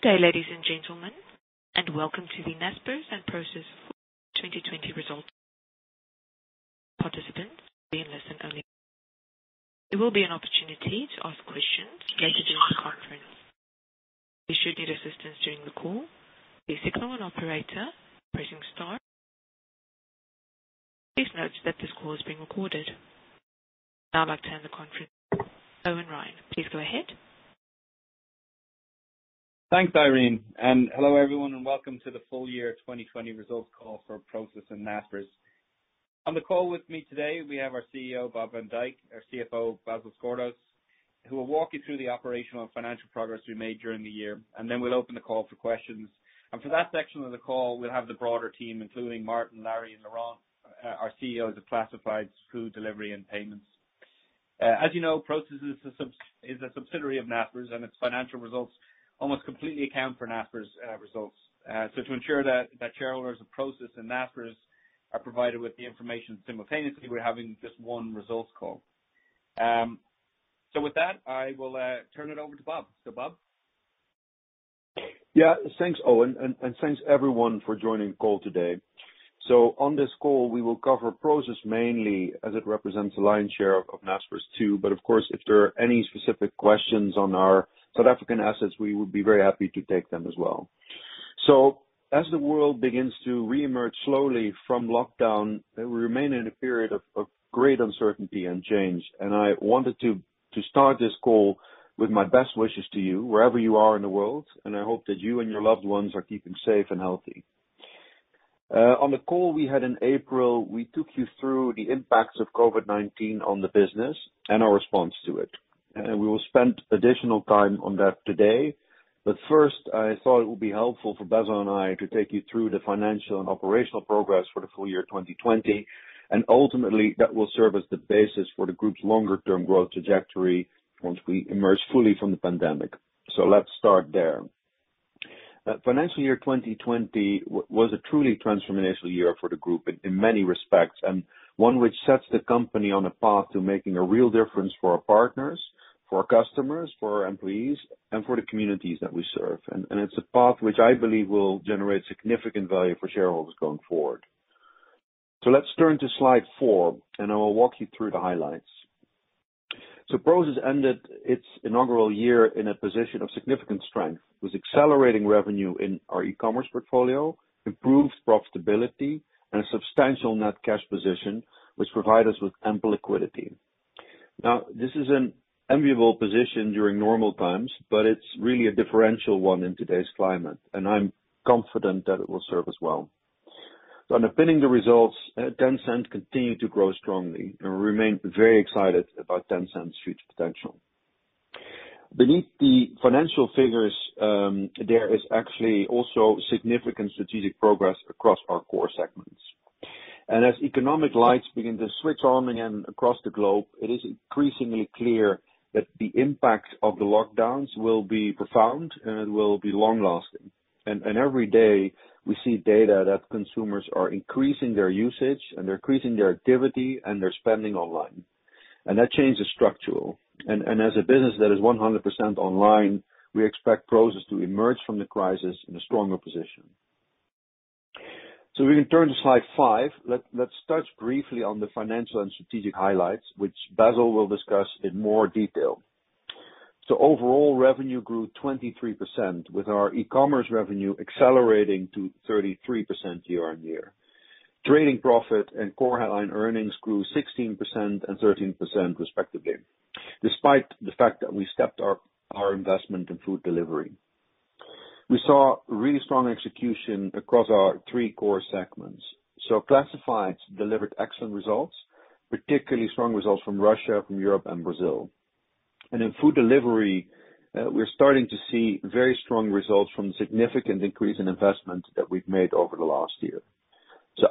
Good day, ladies and gentlemen, welcome to the Naspers and Prosus full year 2020 results. Participants, we listen only. There will be an opportunity to ask questions later during the conference. If you should need assistance during the call, please say call an operator, pressing star. Please note that this call is being recorded. I'd like to hand the conference to Eoin Ryan. Please go ahead. Thanks, Irene. Hello everyone, welcome to the full year 2020 results call for Prosus and Naspers. On the call with me today, we have our CEO, Bob van Dijk, our CFO, Basil Sgourdos, who will walk you through the operational and financial progress we made during the year. Then we'll open the call for questions. For that section of the call, we'll have the broader team, including Martin, Larry, and Laurent, our CEOs of Classifieds, Food Delivery, and Payments. As you know, Prosus is a subsidiary of Naspers. Its financial results almost completely account for Naspers' results. To ensure that shareholders of Prosus and Naspers are provided with the information simultaneously, we're having just one results call. With that, I will turn it over to Bob. Bob? Thanks, Eoin, and thanks, everyone, for joining the call today. On this call, we will cover Prosus mainly as it represents the lion's share of Naspers too, but of course, if there are any specific questions on our South African assets, we would be very happy to take them as well. As the world begins to reemerge slowly from lockdown, we remain in a period of great uncertainty and change. I wanted to start this call with my best wishes to you wherever you are in the world, and I hope that you and your loved ones are keeping safe and healthy. On the call we had in April, we took you through the impacts of COVID-19 on the business and our response to it. We will spend additional time on that today. First, I thought it would be helpful for Basil and I to take you through the financial and operational progress for the full year 2020, and ultimately, that will serve as the basis for the group's longer term growth trajectory once we emerge fully from the pandemic. Let's start there. Financial year 2020 was a truly transformational year for the group in many respects, and one which sets the company on a path to making a real difference for our partners, for our customers, for our employees, and for the communities that we serve. It's a path which I believe will generate significant value for shareholders going forward. Let's turn to slide four, and I will walk you through the highlights. Prosus ended its inaugural year in a position of significant strength with accelerating revenue in our e-commerce portfolio, improved profitability, and a substantial net cash position, which provide us with ample liquidity. This is an enviable position during normal times, but it's really a differential one in today's climate, and I'm confident that it will serve us well. Underpinning the results, Tencent continued to grow strongly, and we remain very excited about Tencent's future potential. Beneath the financial figures, there is actually also significant strategic progress across our core segments. As economic lights begin to switch on again across the globe, it is increasingly clear that the impact of the lockdowns will be profound, and it will be long-lasting. Every day we see data that consumers are increasing their usage, and they're increasing their activity and their spending online. That change is structural. As a business that is 100% online, we expect Prosus to emerge from the crisis in a stronger position. We can turn to slide five. Let's touch briefly on the financial and strategic highlights, which Basil will discuss in more detail. Overall revenue grew 23% with our e-commerce revenue accelerating to 33% year-on-year. Trading profit and core headline earnings grew 16% and 13% respectively, despite the fact that we stepped our investment in Food delivery. We saw really strong execution across our three core segments. Classifieds delivered excellent results, particularly strong results from Russia, from Europe and Brazil. In Food delivery, we're starting to see very strong results from significant increase in investment that we've made over the last year.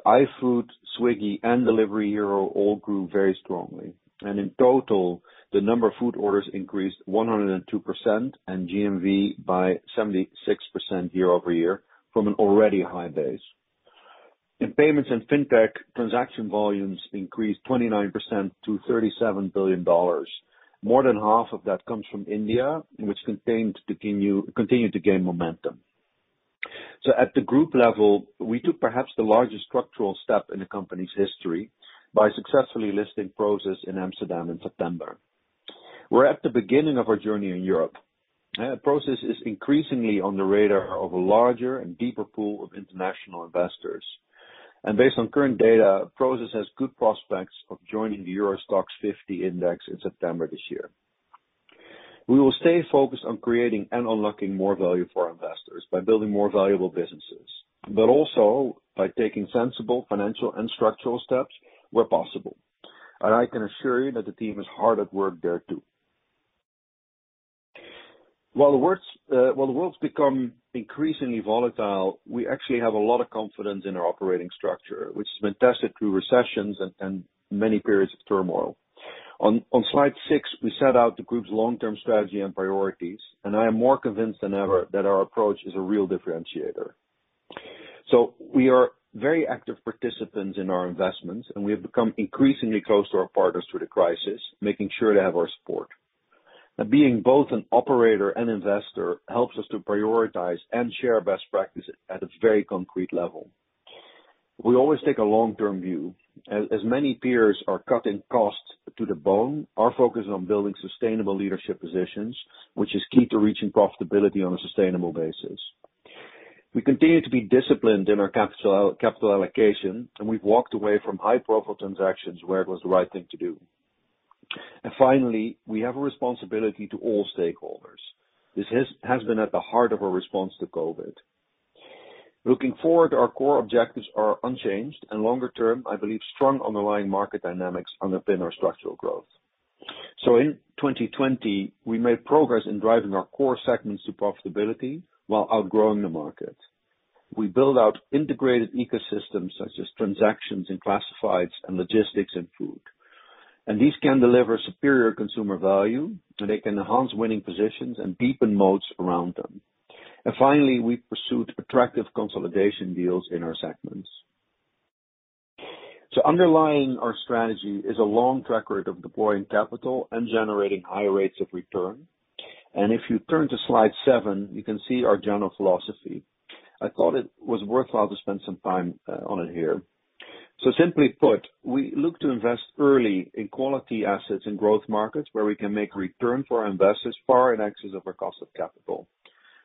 iFood, Swiggy, and Delivery Hero all grew very strongly. In total, the number of food orders increased 102% and GMV by 76% year-over-year from an already high base. In Payments and Fintech, transaction volumes increased 29% to $37 billion. More than half of that comes from India, which continued to gain momentum. At the group level, we took perhaps the largest structural step in the company's history by successfully listing Prosus in Amsterdam in September. We're at the beginning of our journey in Europe. Prosus is increasingly on the radar of a larger and deeper pool of international investors. Based on current data, Prosus has good prospects of joining the EURO STOXX 50 index in September this year. We will stay focused on creating and unlocking more value for our investors by building more valuable businesses, but also by taking sensible financial and structural steps where possible. I can assure you that the team is hard at work there, too. While the world's become increasingly volatile, we actually have a lot of confidence in our operating structure, which has been tested through recessions and many periods of turmoil. On slide six, we set out the group's long-term strategy and priorities, and I am more convinced than ever that our approach is a real differentiator. We are very active participants in our investments, and we have become increasingly close to our partners through the crisis, making sure to have our support. Being both an operator and investor helps us to prioritize and share best practices at a very concrete level. We always take a long-term view. As many peers are cutting costs to the bone, our focus is on building sustainable leadership positions, which is key to reaching profitability on a sustainable basis. We continue to be disciplined in our capital allocation, and we've walked away from high-profile transactions where it was the right thing to do. Finally, we have a responsibility to all stakeholders. This has been at the heart of our response to COVID. Looking forward, our core objectives are unchanged, and longer-term, I believe strong underlying market dynamics underpin our structural growth. In 2020, we made progress in driving our core segments to profitability while outgrowing the market. We build out integrated ecosystems such as transactions in classifieds and logistics and food. These can deliver superior consumer value, and they can enhance winning positions and deepen moats around them. Finally, we pursued attractive consolidation deals in our segments. Underlying our strategy is a long track record of deploying capital and generating high rates of return. If you turn to slide seven, you can see our general philosophy. I thought it was worthwhile to spend some time on it here. Simply put, we look to invest early in quality assets in growth markets where we can make a return for our investors far in excess of our cost of capital.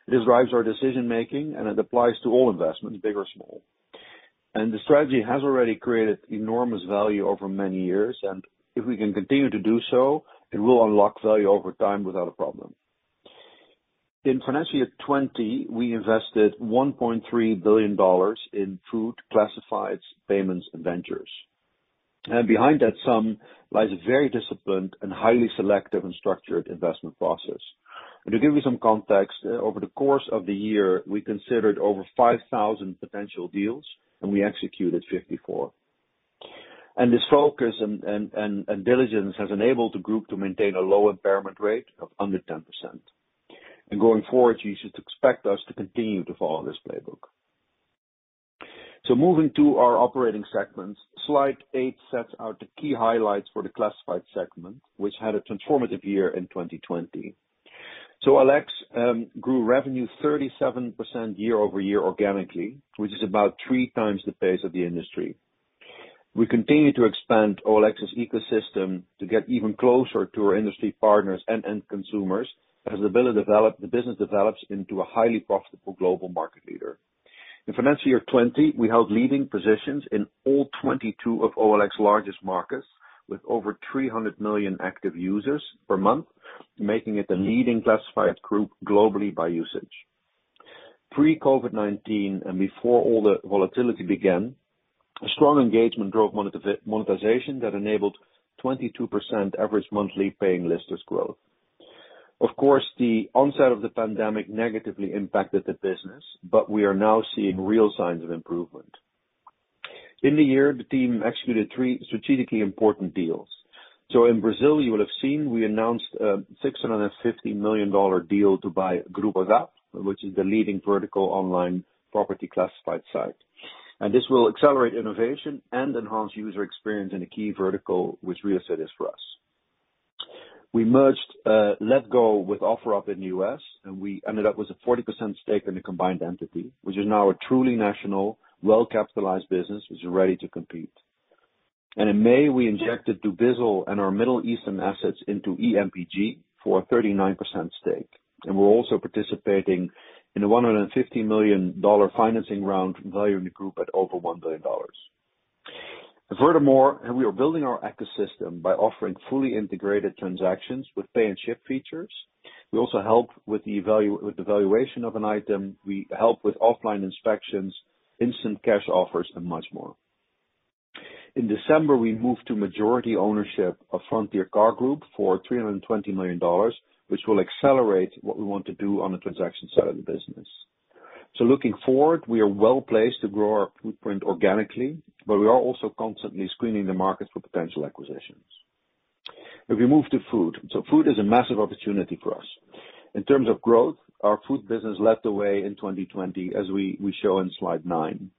It drives our decision-making, it applies to all investments, big or small. The strategy has already created enormous value over many years, if we can continue to do so, it will unlock value over time without a problem. In FY 2020, we invested $1.3 billion in food, classifieds, payments, and ventures. Behind that sum lies a very disciplined and highly selective and structured investment process. To give you some context, over the course of the year, we considered over 5,000 potential deals, and we executed 54. This focus and diligence has enabled the group to maintain a low impairment rate of under 10%. Going forward, you should expect us to continue to follow this playbook. Moving to our operating segments, slide eight sets out the key highlights for the classified segment, which had a transformative year in 2020. OLX grew revenue 37% year-over-year organically, which is about 3x the pace of the industry. We continue to expand OLX's ecosystem to get even closer to our industry partners and end consumers as the business develops into a highly profitable global market leader. In finance year 2020, we held leading positions in all 22 of OLX largest markets, with over 300 million active users per month, making it the leading classified group globally by usage. Pre-COVID-19, before all the volatility began, a strong engagement drove monetization that enabled 22% average monthly paying listers growth. Of course, the onset of the pandemic negatively impacted the business, we are now seeing real signs of improvement. In the year, the team executed three strategically important deals. In Brazil, you will have seen, we announced a $650 million deal to buy Grupo ZAP, which is the leading vertical online property classified site. This will accelerate innovation and enhance user experience in a key vertical, which real estate is for us. We merged Letgo with OfferUp in the U.S., we ended up with a 40% stake in the combined entity, which is now a truly national, well-capitalized business which is ready to compete. In May, we injected dubizzle and our Middle Eastern assets into EMPG for a 39% stake, and we are also participating in a $150 million financing round, valuing the group at over $1 billion. Furthermore, we are building our ecosystem by offering fully integrated transactions with pay and ship features. We also help with the valuation of an item. We help with offline inspections, instant cash offers, and much more. In December, we moved to majority ownership of Frontier Car Group for $320 million, which will accelerate what we want to do on the transaction side of the business. Looking forward, we are well-placed to grow our footprint organically, but we are also constantly screening the market for potential acquisitions. If we move to food. Food is a massive opportunity for us. In terms of growth, our food business led the way in 2020, as we show in slide nine.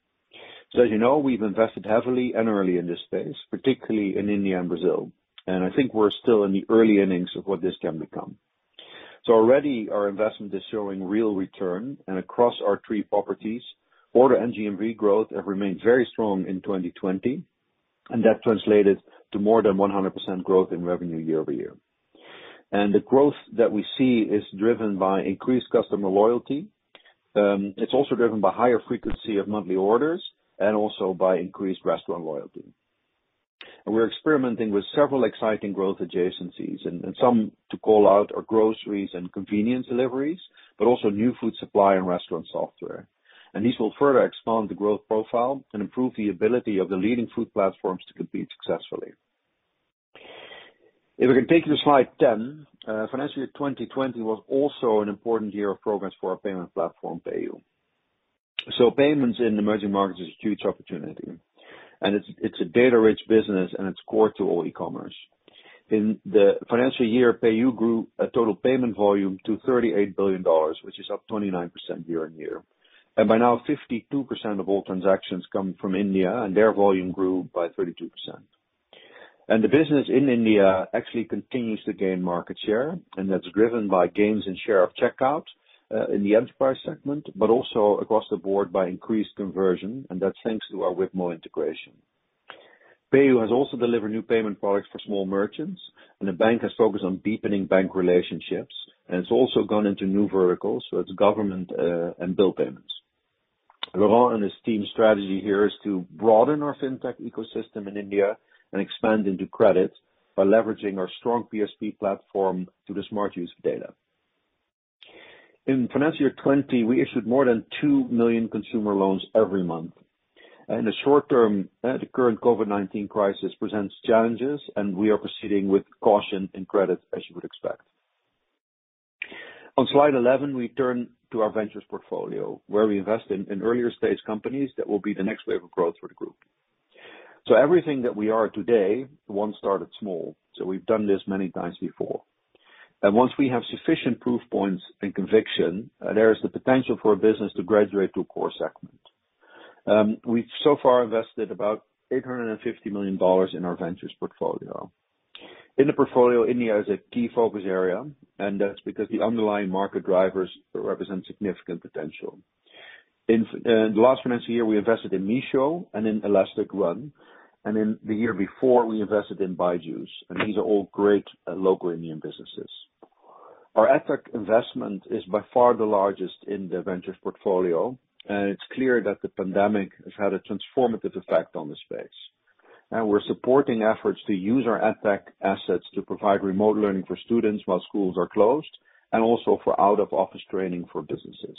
As you know, we've invested heavily and early in this space, particularly in India and Brazil. I think we're still in the early innings of what this can become. Already our investment is showing real return, across our three properties, order GMV growth have remained very strong in 2020, that translated to more than 100% growth in revenue year-over-year. The growth that we see is driven by increased customer loyalty. It's also driven by higher frequency of monthly orders and also by increased restaurant loyalty. We're experimenting with several exciting growth adjacencies. Some to call out are groceries and convenience deliveries, but also new food supply and restaurant software. These will further expand the growth profile and improve the ability of the leading food platforms to compete successfully. If we can take you to slide 10, financial year 2020 was also an important year of progress for our payment platform, PayU. Payments in emerging markets is a huge opportunity, and it's a data-rich business, and it's core to all e-commerce. In the financial year, PayU grew a total payment volume to $38 billion, which is up 29% year-on-year. By now, 52% of all transactions come from India, and their volume grew by 32%. The business in India actually continues to gain market share, and that's driven by gains in share of checkout, in the enterprise segment, but also across the board by increased conversion, and that's thanks to our Wibmo integration. PayU has also delivered new payment products for small merchants, and the bank has focused on deepening bank relationships, and it's also gone into new verticals, so it's government and bill payments. Laurent and his team's strategy here is to broaden our fintech ecosystem in India and expand into credit by leveraging our strong PSP platform through the smart use of data. In finance year 2020, we issued more than 2 million consumer loans every month. In the short term, the current COVID-19 crisis presents challenges, and we are proceeding with caution in credit, as you would expect. On slide 11, we turn to our ventures portfolio, where we invest in earlier-stage companies that will be the next wave of growth for the group. Everything that we are today once started small, so we've done this many times before. Once we have sufficient proof points and conviction, there is the potential for a business to graduate to a core segment. We've so far invested about $850 million in our ventures portfolio. In the portfolio, India is a key focus area, that's because the underlying market drivers represent significant potential. In the last financial year, we invested in Meesho and in ElasticRun, in the year before, we invested in BYJU'S, these are all great local Indian businesses. Our EdTech investment is by far the largest in the ventures portfolio, it's clear that the pandemic has had a transformative effect on the space. We're supporting efforts to use our EdTech assets to provide remote learning for students while schools are closed, also for out-of-office training for businesses.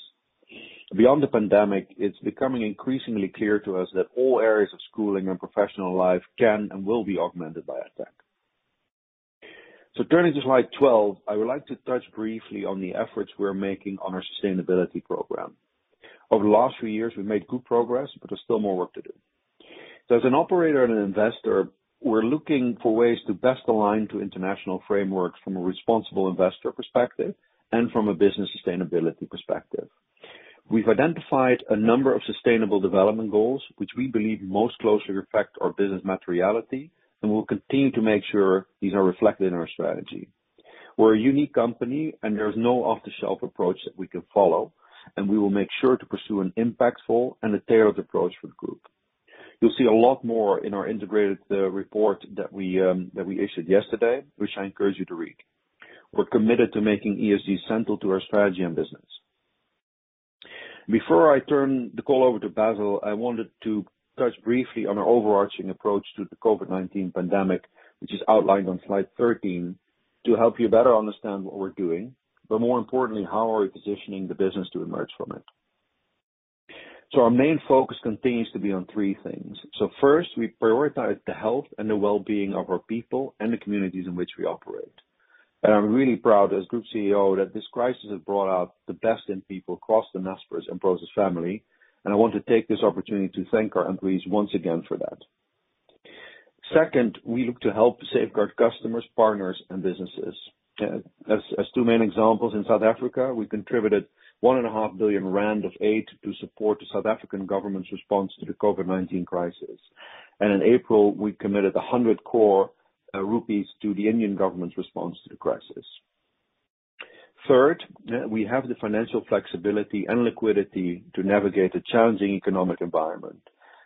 Beyond the pandemic, it is becoming increasingly clear to us that all areas of schooling and professional life can and will be augmented by EdTech. Turning to slide 12, I would like to touch briefly on the efforts we are making on our sustainability program. Over the last few years, we have made good progress, but there is still more work to do. As an operator and an investor, we are looking for ways to best align to international frameworks from a responsible investor perspective and from a business sustainability perspective. We have identified a number of sustainable development goals, which we believe most closely affect our business materiality, and we will continue to make sure these are reflected in our strategy. We are a unique company, and there is no off-the-shelf approach that we can follow, and we will make sure to pursue an impactful and a tailored approach for the group. You'll see a lot more in our integrated report that we issued yesterday, which I encourage you to read. We're committed to making ESG central to our strategy and business. Before I turn the call over to Basil, I wanted to touch briefly on our overarching approach to the COVID-19 pandemic, which is outlined on slide 13, to help you better understand what we're doing, but more importantly, how we're positioning the business to emerge from it. Our main focus continues to be on three things. First, we prioritize the health and the wellbeing of our people and the communities in which we operate. I'm really proud as Group CEO that this crisis has brought out the best in people across the Naspers and Prosus family, and I want to take this opportunity to thank our employees once again for that. Second, we look to help safeguard customers, partners, and businesses. As two main examples, in South Africa, we contributed one and a half billion rand of aid to support the South African government's response to the COVID-19 crisis. In April, we committed 100 crore rupees to the Indian government's response to the crisis. Third, we have the financial flexibility and liquidity to navigate a challenging economic environment.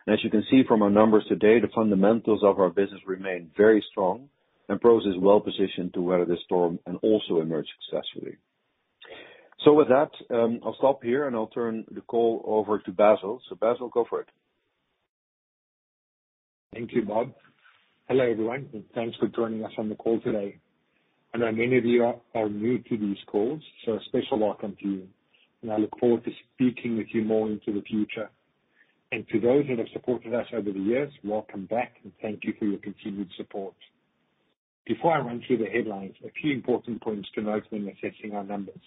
As you can see from our numbers today, the fundamentals of our business remain very strong, and Prosus is well-positioned to weather the storm and also emerge successfully. With that, I'll stop here and I'll turn the call over to Basil. Basil, go for it. Thank you, Bob. Hello, everyone, and thanks for joining us on the call today. I know many of you are new to these calls, so a special welcome to you, and I look forward to speaking with you more into the future. To those that have supported us over the years, welcome back, and thank you for your continued support. Before I run through the headlines, a few important points to note when assessing our numbers.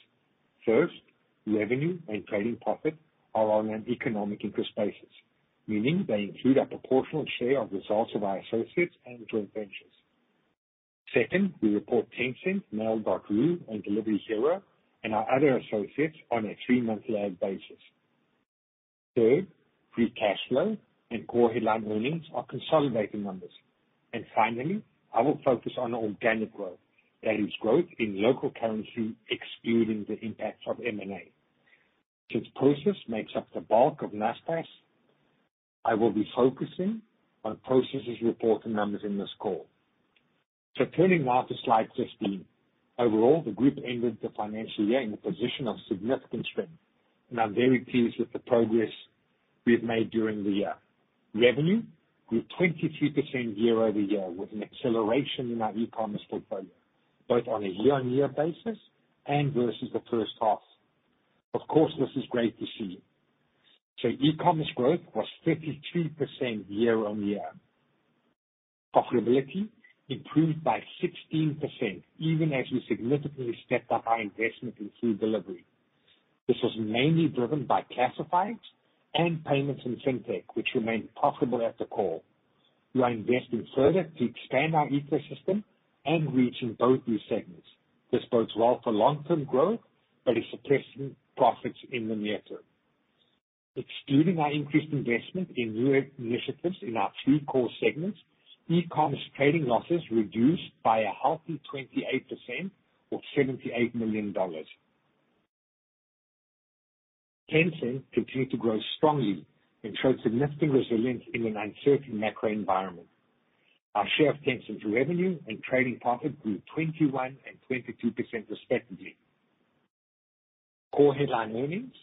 First, revenue and trading profit are on an economic interest basis, meaning they include a proportional share of results of our associates and joint ventures. Second, we report Tencent, Mail.ru, and Delivery Hero and our other associates on a three-monthly basis. Third, free cash flow and core headline earnings are consolidated numbers. Finally, I will focus on organic growth. That is growth in local currency excluding the impact of M&A. Since Prosus makes up the bulk of Naspers, I will be focusing on Prosus' reporting numbers in this call. Turning now to slide 15. Overall, the group ended the financial year in a position of significant strength, and I'm very pleased with the progress we have made during the year. Revenue grew 22% year-over-year with an acceleration in our e-commerce portfolio, both on a year-on-year basis and versus the first half. Of course, this is great to see. E-commerce growth was 33% year-on-year. Profitability improved by 16%, even as we significantly stepped up our investment in food delivery. This was mainly driven by classifieds and payments in fintech, which remained profitable at the core. We are investing further to expand our ecosystem and reach in both these segments. This bodes well for long-term growth, but is suppressing profits in the near term. Excluding our increased investment in new initiatives in our three core segments, e-commerce trading losses reduced by a healthy 28% or EUR 78 million. Tencent continued to grow strongly and showed significant resilience in an uncertain macro environment. Our share of Tencent's revenue and trading profit grew 21% and 22% respectively. Core headline earnings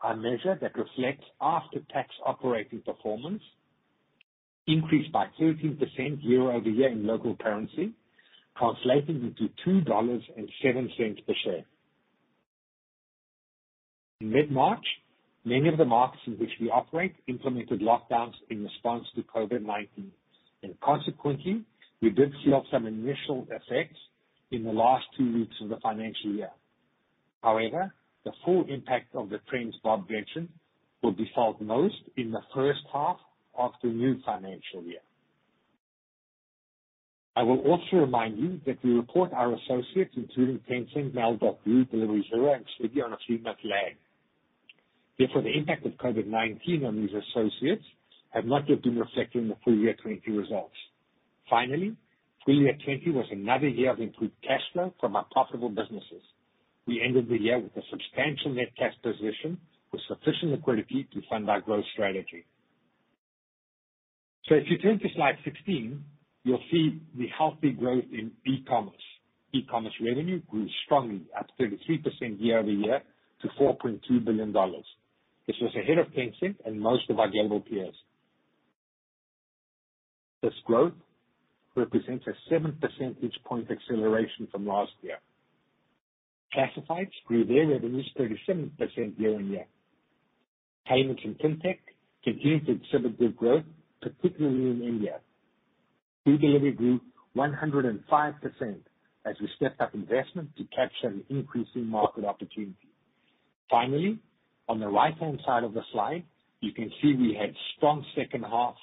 are a measure that reflects after-tax operating performance, increased by 13% year-over-year in local currency, translating into $2.07 per share. In mid-March, many of the markets in which we operate implemented lockdowns in response to COVID-19, and consequently, we did feel some initial effects in the last two weeks of the financial year. However, the full impact of the trends Bob mentioned will be felt most in the first half of the new financial year. I will also remind you that we report our associates, including Tencent, Mail.ru, Delivery Hero, and Swiggy on a three-month lag. Therefore, the impact of COVID-19 on these associates have not yet been reflected in the full year 2020 results. Finally, full year 2020 was another year of improved cash flow from our profitable businesses. We ended the year with a substantial net cash position with sufficient liquidity to fund our growth strategy. If you turn to slide 16, you'll see the healthy growth in e-commerce. E-commerce revenue grew strongly at 33% year-over-year to $4.2 billion. This was ahead of Tencent and most of our global peers. This growth represents a seven percentage point acceleration from last year. Classifieds grew their revenues 37% year-on-year. Payments and fintech continued to exhibit good growth, particularly in India. Food delivery grew 105% as we stepped up investment to capture an increasing market opportunity. Finally, on the right-hand side of the slide, you can see we had strong second half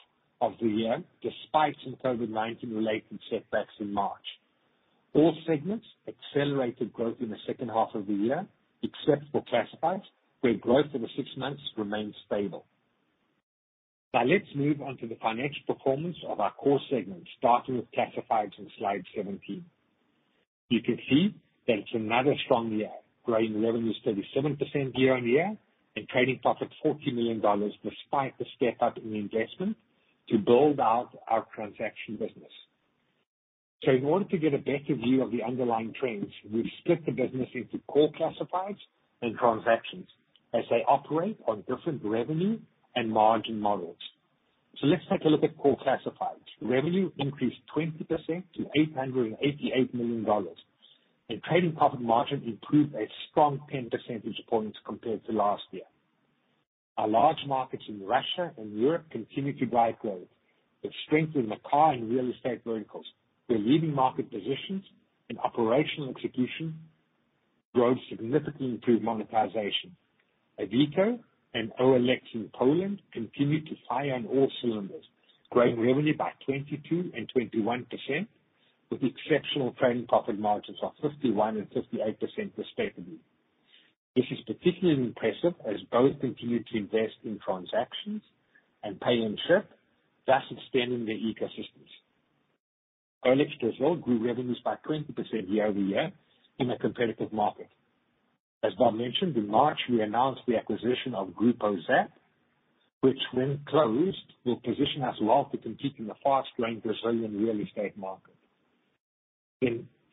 of the year despite some COVID-19 related setbacks in March. All segments accelerated growth in the second half of the year, except for Classifieds, where growth over six months remained stable. Let's move on to the financial performance of our core segments, starting with Classifieds on slide 17. You can see that it's another strong year, growing revenues 37% year-over-year and trading profit $40 million, despite the step up in investment to build out our transaction business. In order to get a better view of the underlying trends, we've split the business into core Classifieds and transactions as they operate on different revenue and margin models. Let's take a look at core Classifieds. Revenue increased 20% to $888 million, and trading profit margin improved a strong 10 percentage points compared to last year. Our large markets in Russia and Europe continued to drive growth with strength in the car and real estate verticals, where leading market positions and operational execution drove significantly improved monetization. [Adevinta] and OLX in Poland continued to fire on all cylinders, growing revenue by 22% and 21%, with exceptional trading profit margins of 51% and 58% respectively. This is particularly impressive as both continued to invest in transactions and pay and ship, thus extending their ecosystems. OLX Brazil grew revenues by 20% year-over-year in a competitive market. As Bob mentioned, in March, we announced the acquisition of Grupo ZAP, which when closed, will position us well to compete in the fast-growing Brazilian real estate market.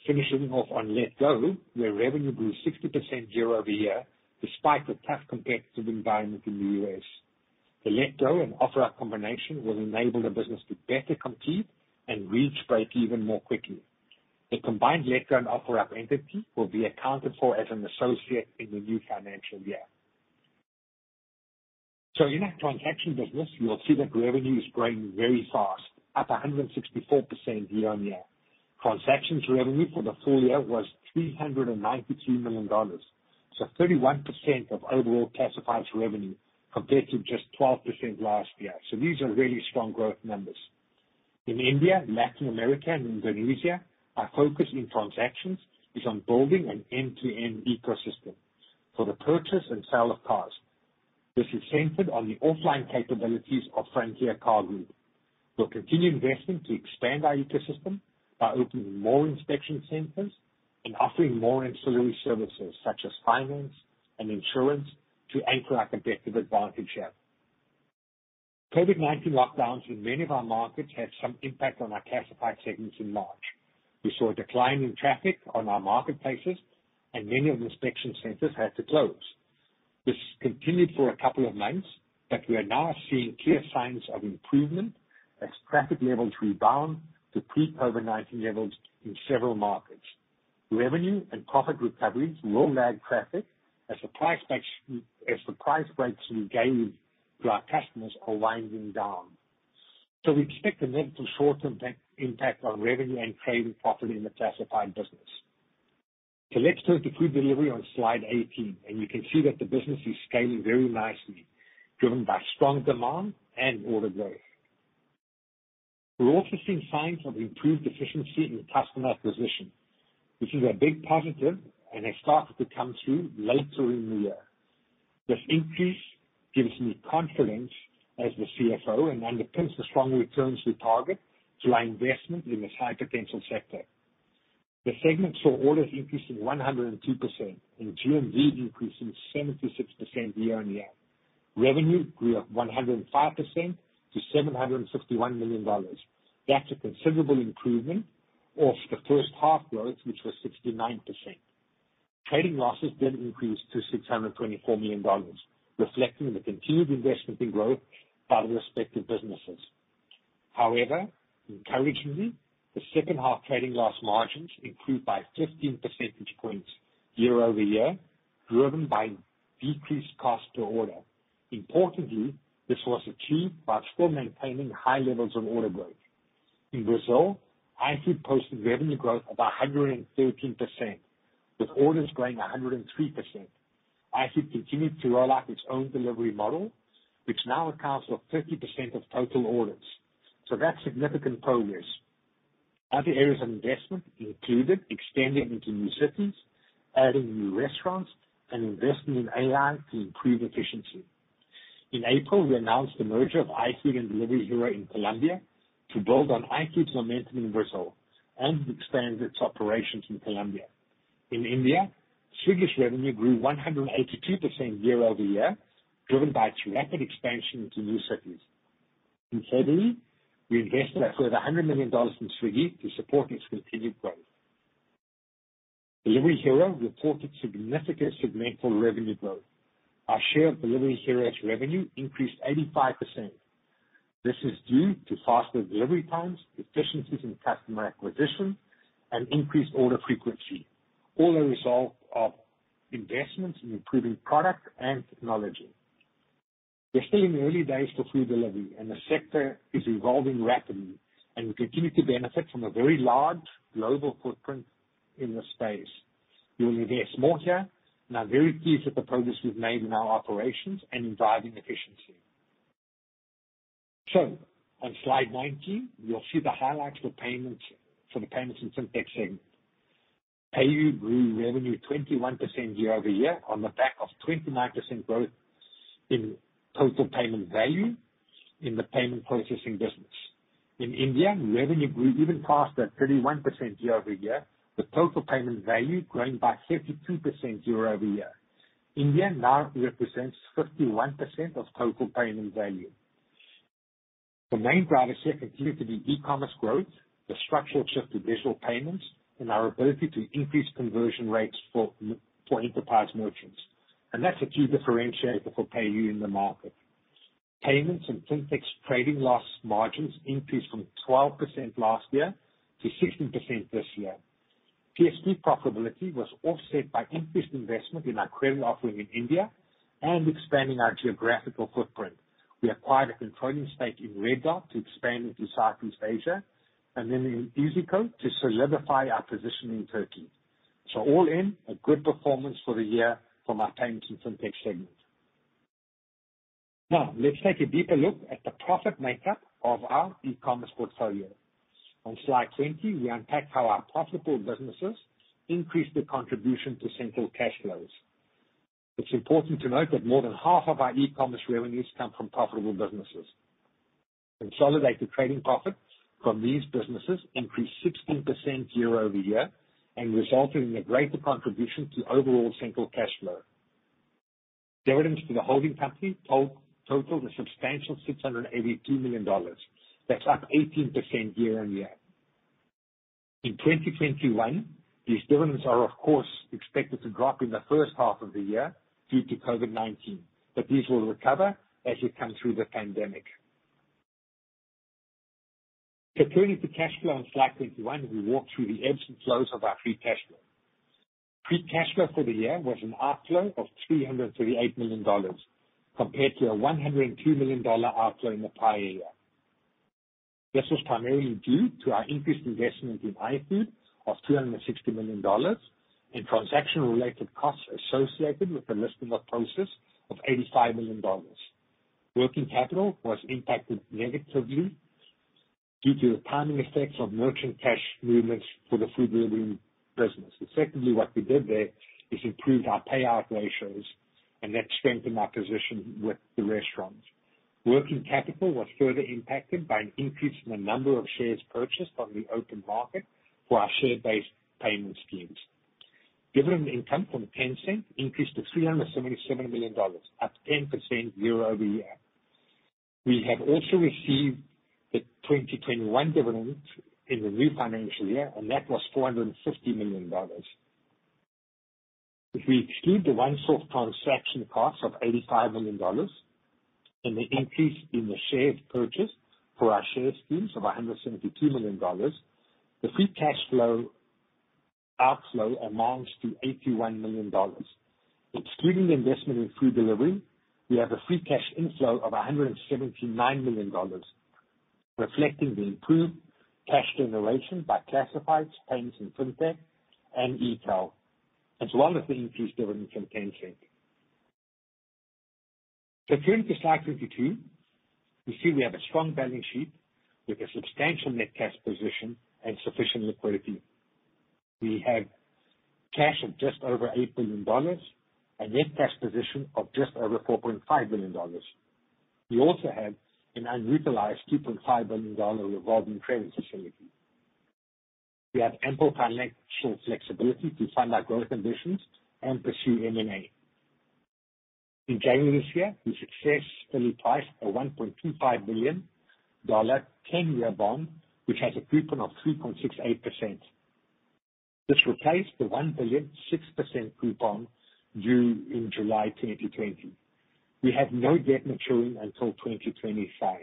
Finishing off on Letgo, where revenue grew 60% year-over-year despite the tough competitive environment in the U.S. The Letgo and OfferUp combination will enable the business to better compete and reach break even more quickly. The combined Letgo and OfferUp entity will be accounted for as an associate in the new financial year. In our transaction business, you'll see that revenue is growing very fast, up 164% year-on-year. Transactions revenue for the full year was $393 million, so 31% of overall classifieds revenue compared to just 12% last year. These are really strong growth numbers. In India, Latin America, and Indonesia, our focus in transactions is on building an end-to-end ecosystem for the purchase and sale of cars. This is centered on the offline capabilities of Frontier Car Group. We'll continue investing to expand our ecosystem by opening more inspection centers and offering more ancillary services such as finance and insurance to anchor our competitive advantage here. COVID-19 lockdowns in many of our markets had some impact on our classified segments in March. We saw a decline in traffic on our marketplaces and many of the inspection centers had to close. We are now seeing clear signs of improvement as traffic levels rebound to pre-COVID-19 levels in several markets. Revenue and profit recovery will lag traffic as the price breaks we gave to our customers are winding down. We expect a negative short-term impact on revenue and trading profit in the classified business. Let's turn to Food delivery on slide 18, and you can see that the business is scaling very nicely, driven by strong demand and order growth. We're also seeing signs of improved efficiency in customer acquisition, which is a big positive and has started to come through later in the year. This increase gives me confidence as the CFO and underpins the strong returns we target to our investment in this high-potential sector. The segment saw orders increasing 102% and GMV increasing 76% year-on-year. Revenue grew up 105% to $761 million. That's a considerable improvement off the first half growth, which was 69%. Trading losses did increase to $624 million, reflecting the continued investment in growth by the respective businesses. Encouragingly, the second half trading loss margins improved by 15 percentage points year-over-year, driven by decreased cost per order. Importantly, this was achieved while still maintaining high levels of order growth. In Brazil, iFood posted revenue growth of 113%, with orders growing 103%. iFood continued to roll out its own delivery model, which now accounts for 30% of total orders. That's significant progress. Other areas of investment included extending into new cities, adding new restaurants, and investing in AI to improve efficiency. In April, we announced the merger of iFood and Delivery Hero in Colombia to build on iFood's momentum in Brazil and expand its operations in Colombia. In India, Swiggy's revenue grew 182% year-over-year, driven by its rapid expansion into new cities. In February, we invested upward of $100 million in Swiggy to support its continued growth. Delivery Hero reported significant segmental revenue growth. Our share of Delivery Hero's revenue increased 85%. This is due to faster delivery times, efficiencies in customer acquisition, and increased order frequency, all a result of investments in improving product and technology. We're still in the early days for food delivery, and the sector is evolving rapidly, and we continue to benefit from a very large global footprint in this space. We will invest more here, and I'm very pleased with the progress we've made in our operations and driving efficiency. On slide 19, you'll see the highlights for Payments for the Payments and FinTech segment. PayU grew revenue 21% year-over-year on the back of 29% growth in total payment value in the payment processing business. In India, revenue grew even faster at 31% year-over-year, with total payment value growing by 32% year-over-year. India now represents 51% of total payment value. The main drivers here continue to be e-commerce growth, the structural shift to digital payments, and our ability to increase conversion rates for enterprise merchants. That's a key differentiator for PayU in the market. Payments and FinTech's trading loss margins increased from 12% last year to 16% this year. PSP profitability was offset by increased investment in our credit offering in India and expanding our geographical footprint. We acquired a controlling stake in Red Dot to expand into Southeast Asia in iyzico to solidify our position in Turkey. All in, a good performance for the year for our Payments and FinTech segment. Let's take a deeper look at the profit makeup of our e-commerce portfolio. On slide 20, we unpack how our profitable businesses increased their contribution to central cash flows. It's important to note that more than half of our e-commerce revenues come from profitable businesses. Consolidated trading profit from these businesses increased 16% year-over-year and resulted in a greater contribution to overall central cash flow. Dividends to the holding company totaled a substantial $682 million. That's up 18% year-on-year. In 2021, these dividends are, of course, expected to drop in the first half of the year due to COVID-19, but these will recover as we come through the pandemic. Turning to cash flow on slide 21, we walk through the ebbs and flows of our free cash flow. Free cash flow for the year was an outflow of $338 million compared to a $102 million outflow in the prior year. This was primarily due to our increased investment in iFood of $260 million and transaction-related costs associated with the listing of Prosus of $85 million. Working capital was impacted negatively due to the timing effects of merchant cash movements for the food delivery business. Effectively, what we did there is improved our payout ratios, and that strengthened our position with the restaurants. Working capital was further impacted by an increase in the number of shares purchased on the open market for our share-based payment schemes. Dividend income from Tencent increased to $377 million, up 10% year-over-year. We have also received the 2021 dividend in the new financial year, and that was $450 million. If we exclude the one-off transaction cost of $85 million and the increase in the shares purchased for our share schemes of $172 million, the free cash flow-Outflow amounts to $81 million. Excluding the investment in Food delivery, we have a free cash inflow of $179 million, reflecting the improved cash generation by Classifieds, Payments and Fintech, and Etail, as well as the increased dividends from Tencent. If you look at slide 22, you see we have a strong balance sheet with a substantial net cash position and sufficient liquidity. We have cash of just over $8 billion and net cash position of just over $4.5 billion. We also have an unutilized $2.5 billion revolving credit facility. We have ample financial flexibility to fund our growth ambitions and pursue M&A. In January this year, we successfully priced a $1.25 billion 10-year bond, which has a coupon of 3.68%. This replaced the $1 billion, 6% coupon due in July 2020. We have no debt maturing until 2025.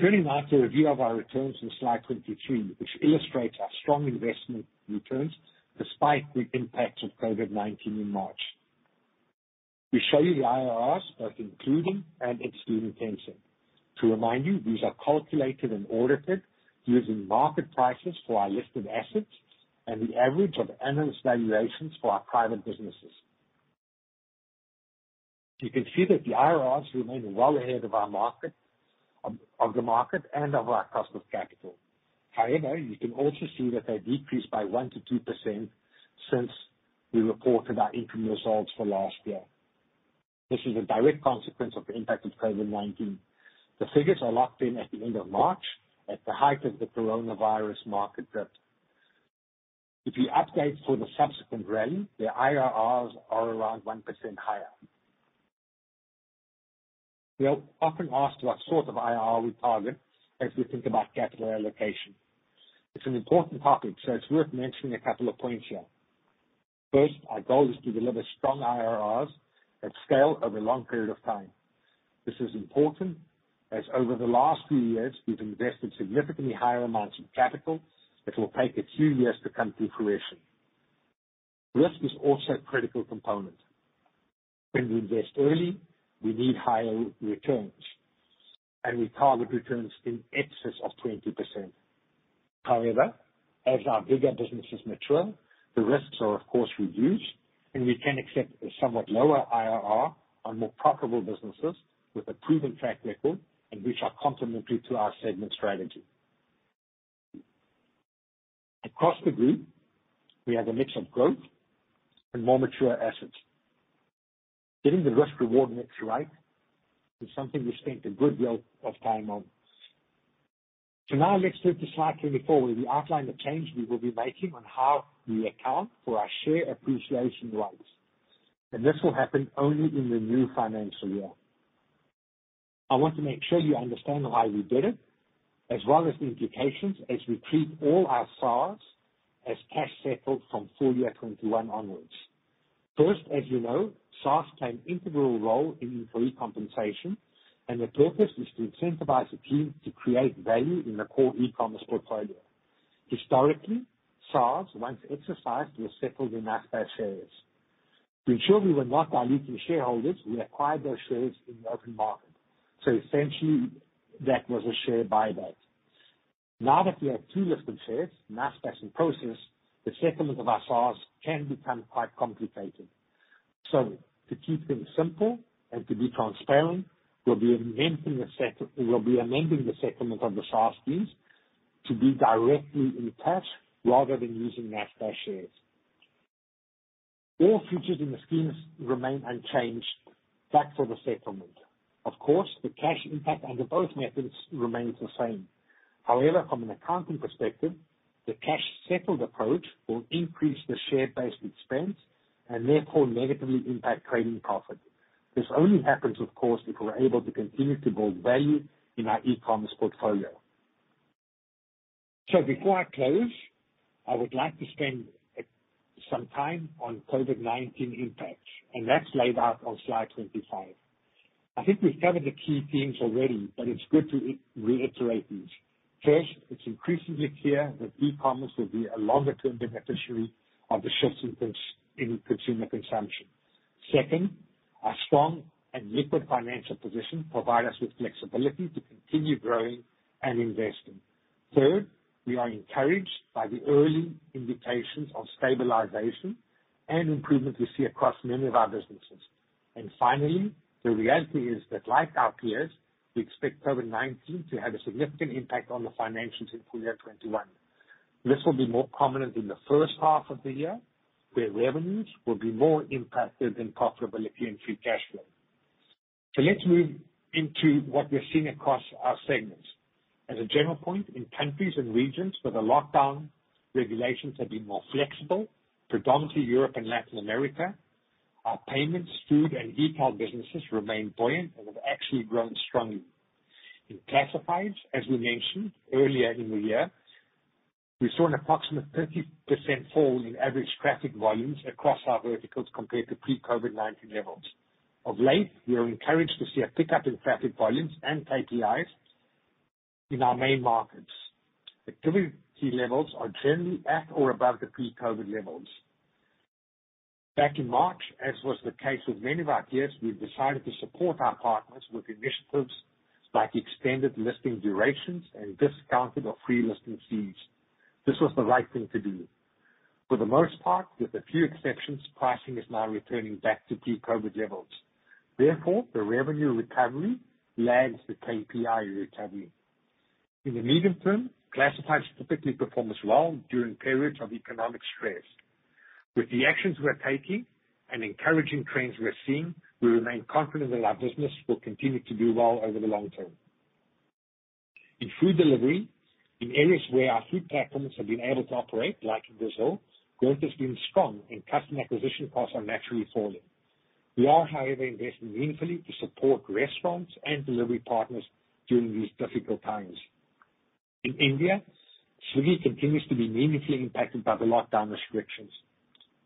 Turning now to a review of our returns on slide 23, which illustrates our strong investment returns despite the impact of COVID-19 in March. We show you the IRRs, both including and excluding Tencent. To remind you, these are calculated and audited using market prices for our listed assets and the average of annual valuations for our private businesses. You can see that the IRRs remain well ahead of the market and of our cost of capital. However, you can also see that they decreased by 1%-2% since we reported our income results for last year. This is a direct consequence of the impact of COVID-19. The figures are locked in at the end of March, at the height of the coronavirus market dip. If we update for the subsequent rally, the IRRs are around 1% higher. We are often asked what sort of IRR we target as we think about capital allocation. It's an important topic, so it's worth mentioning a couple of points here. First, our goal is to deliver strong IRRs at scale over a long period of time. This is important as over the last few years, we've invested significantly higher amounts of capital that will take a few years to come to fruition. Risk is also a critical component. When we invest early, we need higher returns, and we target returns in excess of 20%. However, as our bigger businesses mature, the risks are, of course, reduced, and we can accept a somewhat lower IRR on more profitable businesses with a proven track record and which are complementary to our segment strategy. Across the group, we have a mix of growth and more mature assets. Getting the risk reward mix right is something we spent a good deal of time on. Now let's turn to slide 24, where we outline the change we will be making on how we account for our Stock Appreciation Rights. This will happen only in the new financial year. I want to make sure you understand why we did it, as well as the implications as we treat all our SARs as cash settled from full year 2021 onwards. First, as you know, SARs play an integral role in employee compensation, and the purpose is to incentivize the team to create value in the core e-commerce portfolio. Historically, SARs, once exercised, were settled in Naspers shares. To ensure we were not diluting shareholders, we acquired those shares in the open market. Essentially, that was a share buyback. Now that we have two listed shares, Naspers and Prosus, the settlement of our SARs can become quite complicated. To keep things simple and to be transparent, we'll be amending the settlement of the SAR schemes to be directly in cash rather than using Naspers shares. All features in the schemes remain unchanged, except for the settlement. Of course, the cash impact under both methods remains the same. However, from an accounting perspective, the cash settled approach will increase the share-based expense and therefore negatively impact trading profit. This only happens, of course, if we're able to continue to build value in our e-commerce portfolio. Before I close, I would like to spend some time on COVID-19 impacts, and that's laid out on slide 25. I think we've covered the key themes already, but it's good to reiterate these. It's increasingly clear that e-commerce will be a longer-term beneficiary of the shifts in consumer consumption. Our strong and liquid financial position provide us with flexibility to continue growing and investing. We are encouraged by the early indications of stabilization and improvement we see across many of our businesses. The reality is that like our peers, we expect COVID-19 to have a significant impact on the financials in FY 2021. This will be more prominent in the first half of the year, where revenues will be more impacted than profitability and free cash flow. Let's move into what we're seeing across our segments. As a general point, in countries and regions where the lockdown regulations have been more flexible, predominantly Europe and Latin America, our Payments, Food, and e-tail businesses remain buoyant and have actually grown strongly. In Classifieds, as we mentioned earlier in the year, we saw an approximate 30% fall in average traffic volumes across our verticals compared to pre-COVID-19 levels. Of late, we are encouraged to see a pickup in traffic volumes and KPIs in our main markets. Activity levels are generally at or above the pre-COVID levels. Back in March, as was the case with many of our peers, we decided to support our partners with initiatives like extended listing durations and discounted or free listing fees. This was the right thing to do. For the most part, with a few exceptions, pricing is now returning back to pre-COVID levels. Therefore, the revenue recovery lags the KPI recovery. In the medium term, Classifieds typically perform as well during periods of economic stress. With the actions we're taking and encouraging trends we're seeing, we remain confident that our business will continue to do well over the long term. In Food Delivery, in areas where our food platforms have been able to operate, like Brazil, growth has been strong and customer acquisition costs are naturally falling. We are, however, investing meaningfully to support restaurants and delivery partners during these difficult times. In India, Swiggy continues to be meaningfully impacted by the lockdown restrictions.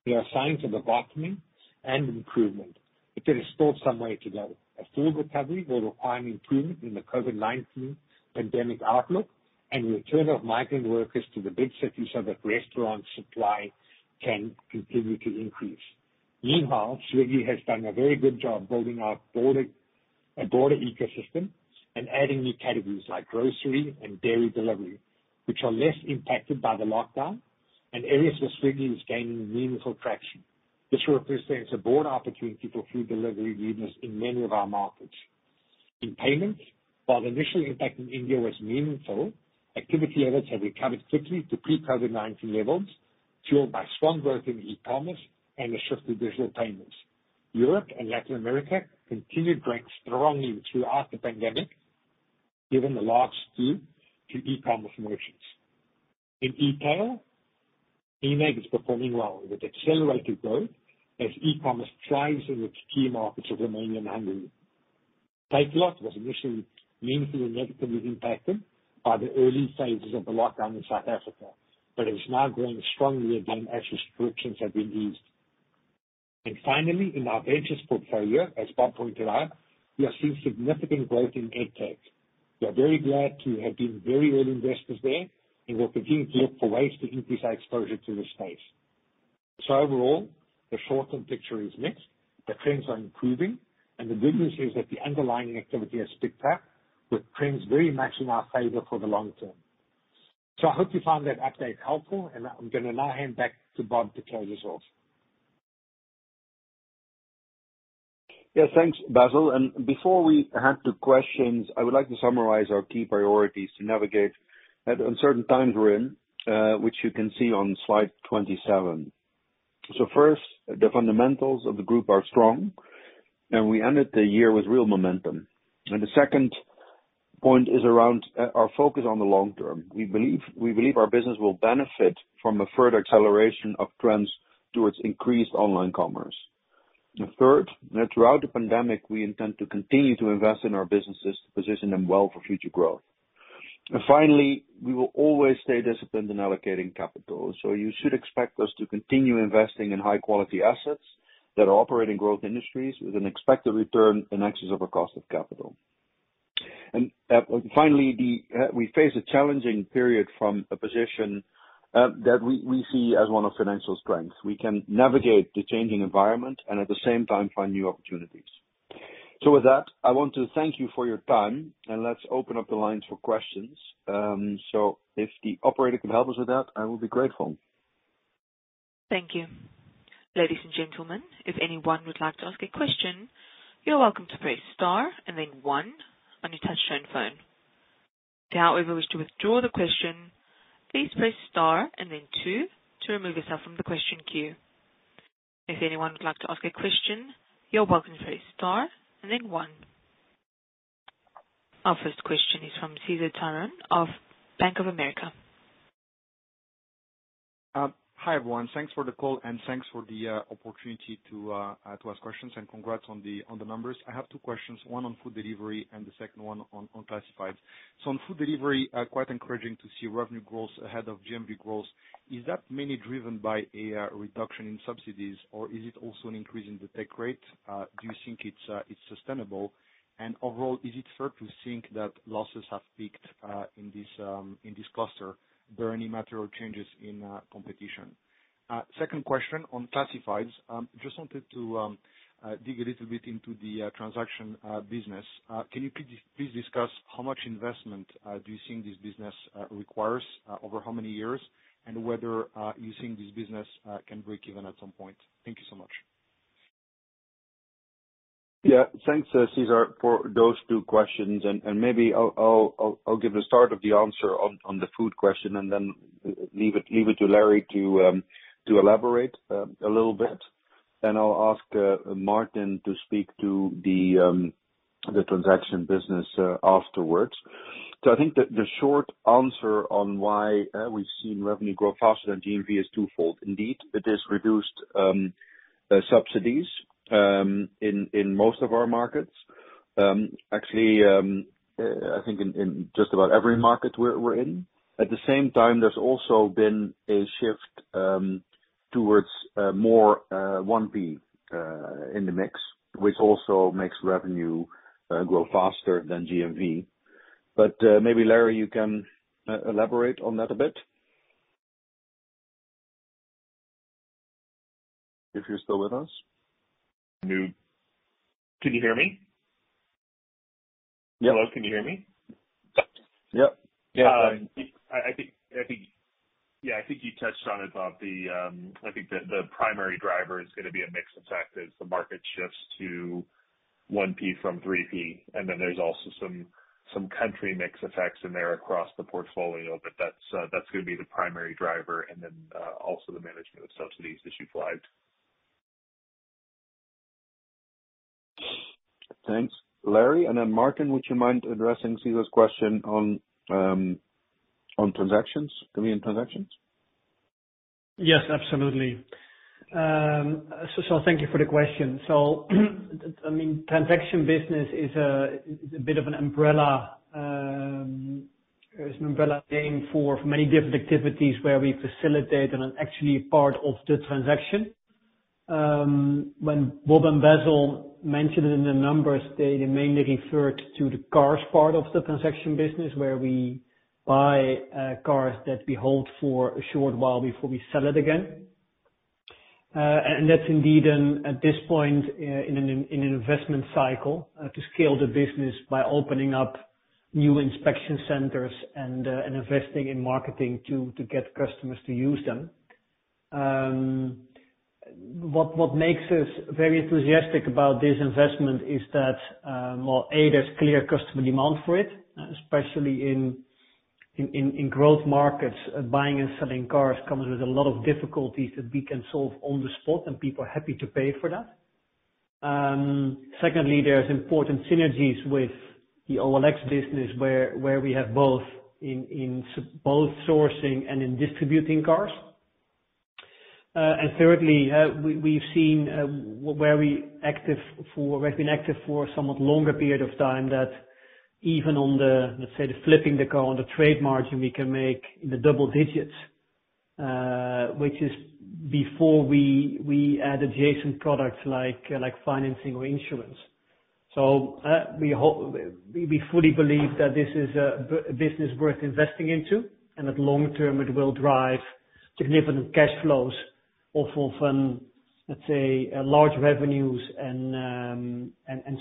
There are signs of a welcoming and improvement, but there is still some way to go. A full recovery will require an improvement in the COVID-19 pandemic outlook and return of migrant workers to the big cities so that restaurant supply can continue to increase. Meanwhile, Swiggy has done a very good job building a broader ecosystem and adding new categories like grocery and dairy delivery, which are less impacted by the lockdown and areas where Swiggy is gaining meaningful traction. This represents a broad opportunity for Food Delivery leaders in many of our markets. In payments, while the initial impact in India was meaningful, activity levels have recovered quickly to pre-COVID-19 levels, fueled by strong growth in e-commerce and a shift to digital payments. Europe and Latin America continued growing strongly throughout the pandemic, given the large skew to e-commerce motions. In e-tail, eMAG is performing well with accelerated growth as e-commerce thrives in its key markets of Romania and Hungary. Takealot was initially meaningfully negatively impacted by the early phases of the lockdown in South Africa, but is now growing strongly again as restrictions have been eased. Finally, in our ventures portfolio, as Bob pointed out, we are seeing significant growth in EdTech. We are very glad to have been very early investors there, and we'll continue to look for ways to increase our exposure to this space. Overall, the short-term picture is mixed, but trends are improving, and the good news is that the underlying activity is picked up, with trends very much in our favor for the long term. I hope you find that update helpful, and I'm gonna now hand back to Bob to close us off. Yeah. Thanks, Basil. Before we head to questions, I would like to summarize our key priorities to navigate the uncertain times we're in, which you can see on slide 27. First, the fundamentals of the group are strong, and we ended the year with real momentum. The second point is around our focus on the long term. We believe our business will benefit from a further acceleration of trends towards increased online commerce. Third, throughout the pandemic, we intend to continue to invest in our businesses to position them well for future growth. Finally, we will always stay disciplined in allocating capital. You should expect us to continue investing in high-quality assets that are operating growth industries with an expected return in excess of a cost of capital. Finally, we face a challenging period from a position that we see as one of financial strength. We can navigate the changing environment and at the same time find new opportunities. With that, I want to thank you for your time, and let's open up the lines for questions. If the operator could help us with that, I will be grateful. Thank you. Ladies and gentlemen, if anyone would like to ask a question, you're welcome to press star and then one on your touchtone phone. If you wish to withdraw the question, please press star and then two to remove yourself from the question queue. If anyone would like to ask a question, you're welcome to press star and then one. Our first question is from Cesar Tiron of Bank of America. Hi, everyone. Thanks for the call. Thanks for the opportunity to ask questions. Congrats on the numbers. I have two questions, one on Food Delivery and the second one on Classifieds. On Food Delivery, quite encouraging to see revenue growth ahead of GMV growth. Is that mainly driven by a reduction in subsidies, or is it also an increase in the take rate? Do you think it's sustainable? Overall, is it fair to think that losses have peaked in this cluster? Are there any material changes in competition? Second question on Classifieds. Just wanted to dig a little bit into the transaction business. Can you please discuss how much investment do you think this business requires over how many years, and whether you think this business can break even at some point? Thank you so much. Yeah. Thanks, Cesar, for those two questions. Maybe I'll give the start of the answer on the food question and then leave it to Larry to elaborate a little bit, and I'll ask Martin to speak to the transaction business afterwards. I think the short answer on why we've seen revenue grow faster than GMV is twofold. Indeed, it is reduced subsidies in most of our markets. Actually, I think in just about every market we're in. At the same time, there's also been a shift towards more 1P in the mix, which also makes revenue grow faster than GMV. Maybe, Larry, you can elaborate on that a bit. If you're still with us. Can you hear me? Yep. Hello, can you hear me? Yep. Yeah, I think you touched on it, about the primary driver is going to be a mix effect as the market shifts to 1P from 3P. There's also some country mix effects in there across the portfolio. That's going to be the primary driver, and then also the management of subsidies that you flagged. Thanks, Larry. Martin, would you mind addressing Cesar's question on transactions, core and transactions? Yes, absolutely. Thank you for the question. The transaction business is a bit of an umbrella name for many different activities where we facilitate and are actually a part of the transaction. When Bob and Basil mentioned it in the numbers today, they mainly referred to the cars part of the transaction business, where we buy cars that we hold for a short while before we sell it again. That's indeed, at this point in an investment cycle, to scale the business by opening up new inspection centers and investing in marketing to get customers to use them. What makes us very enthusiastic about this investment is that, A, there's clear customer demand for it, especially in growth markets. Buying and selling cars comes with a lot of difficulties that we can solve on the spot, and people are happy to pay for that. There's important synergies with the OLX business, where we have both in both sourcing and in distributing cars. Thirdly, we've seen where we've been active for somewhat longer period of time, that even on the, let's say, the flipping the car on the trade margin, we can make in the double digits, which is before we add adjacent products like financing or insurance. We fully believe that this is a business worth investing into, and that long term, it will drive significant cash flows off of, let's say, large revenues and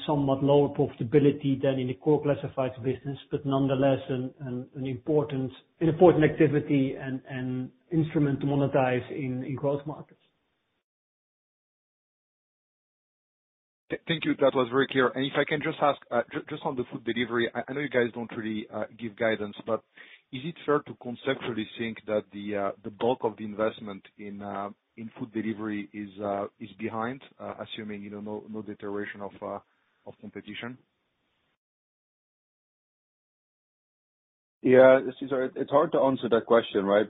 somewhat lower profitability than in the core classifieds business. Nonetheless, an important activity and instrument to monetize in growth markets. Thank you. That was very clear. If I can just ask, just on the Food delivery, I know you guys don't really give guidance, but is it fair to conceptually think that the bulk of the investment in Food delivery is behind, assuming no deterioration of competition? Cesar, it's hard to answer that question, right?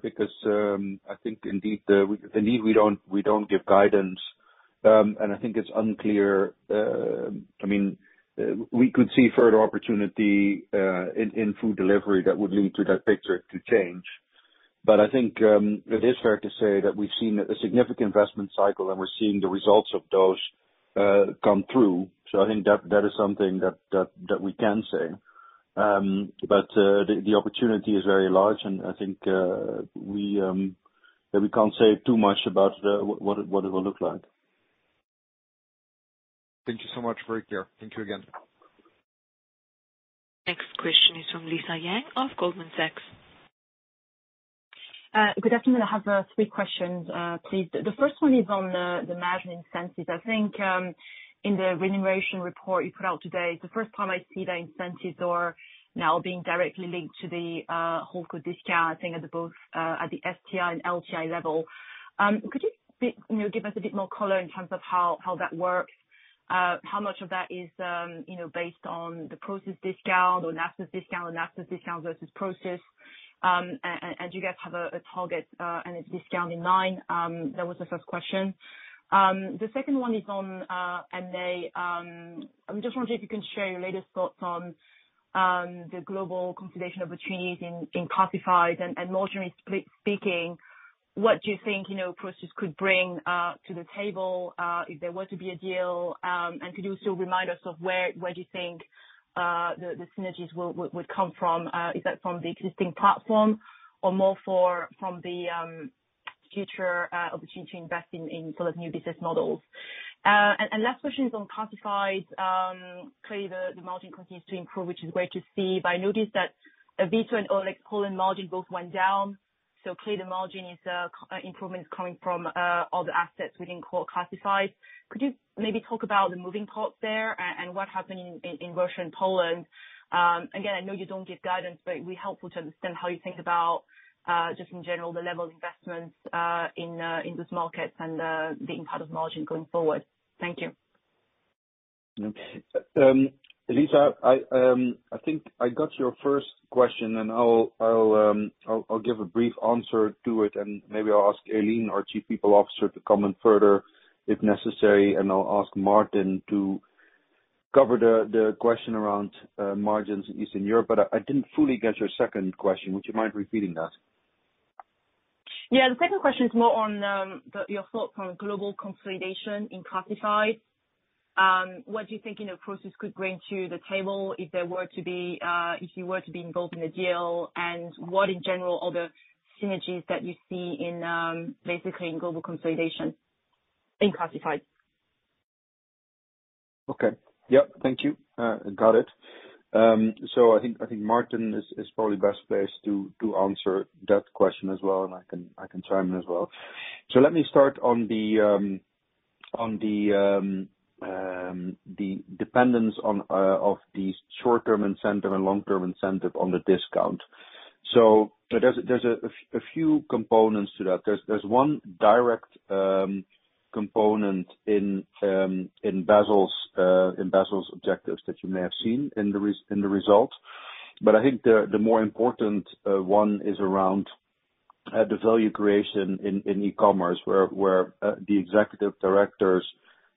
I think indeed, we don't give guidance. I think it's unclear. We could see further opportunity in food delivery that would lead to that picture to change. I think it is fair to say that we've seen a significant investment cycle, and we're seeing the results of those come through. I think that is something that we can say. The opportunity is very large, and I think that we can't say too much about what it will look like. Thank you so much. Very clear. Thank you again. Next question is from Lisa Yang of Goldman Sachs. Good afternoon. I have three questions, please. The first one is on the margin incentives. I think in the remuneration report you put out today, it's the first time I see the incentives are now being directly linked to the holdco discount, I think at the STI and LTI level. Could you give us a bit more color in terms of how that works? How much of that is based on the Prosus discount or Naspers discount versus Prosus? Do you guys have a target and a discount in mind? That was the first question. The second one is on M&A. I'm just wondering if you can share your latest thoughts on the global consolidation opportunities in classifieds. More generally speaking, what do you think Prosus could bring to the table if there were to be a deal? Could you also remind us of where do you think the synergies would come from? Is that from the existing platform or more from the future opportunity to invest in new business models? Last question is on classifieds. Clearly, the margin continues to improve, which is great to see. I noticed that Avito and OLX Poland margin both went down. Clearly, the margin improvement is coming from other assets within core classifieds. Could you maybe talk about the moving parts there and what happened in Russia and Poland? Again, I know you don't give guidance, but it'd be helpful to understand how you think about, just in general, the level of investments in those markets and the impact of margin going forward. Thank you. Lisa, I think I got your first question, and I'll give a brief answer to it, and maybe I'll ask Aileen, our Chief People Officer, to comment further if necessary, and I'll ask Martin to cover the question around margins in Eastern Europe, but I didn't fully get your second question. Would you mind repeating that? Yeah. The second question is more on your thoughts on global consolidation in classifieds. What do you think Prosus could bring to the table if you were to be involved in a deal? What, in general, are the synergies that you see basically in global consolidation in classifieds? Okay. Yep. Thank you. Got it. I think Martin is probably best placed to answer that question as well, and I can chime in as well. Let me start on the dependence of the short-term incentive and long-term incentive on the discount. There's a few components to that. There's one direct component in Basil's objectives that you may have seen in the results. I think the more important one is around the value creation in e-commerce, where the executive directors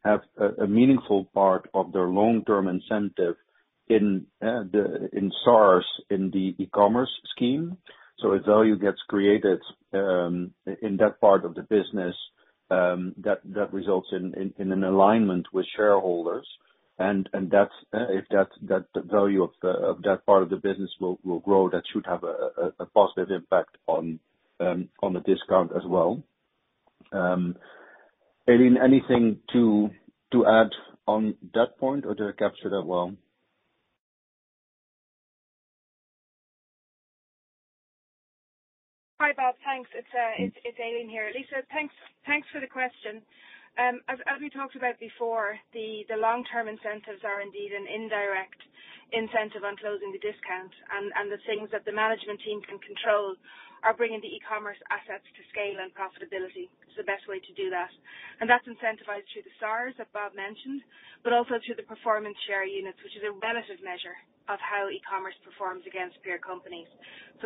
have a meaningful part of their long-term incentive in SARs in the e-commerce scheme. As value gets created in that part of the business, that results in an alignment with shareholders, and if the value of that part of the business will grow, that should have a positive impact on the discount as well. Aileen, anything to add on that point, or did I capture that well? Hi, Bob. Thanks. It's Aileen here. Lisa, thanks for the question. As we talked about before, the long-term incentives are indeed an indirect incentive on closing the discount, and the things that the management team can control are bringing the e-commerce assets to scale and profitability. It's the best way to do that. That's incentivized through the SARs that Bob mentioned, but also through the performance share units, which is a relative measure of how e-commerce performs against peer companies.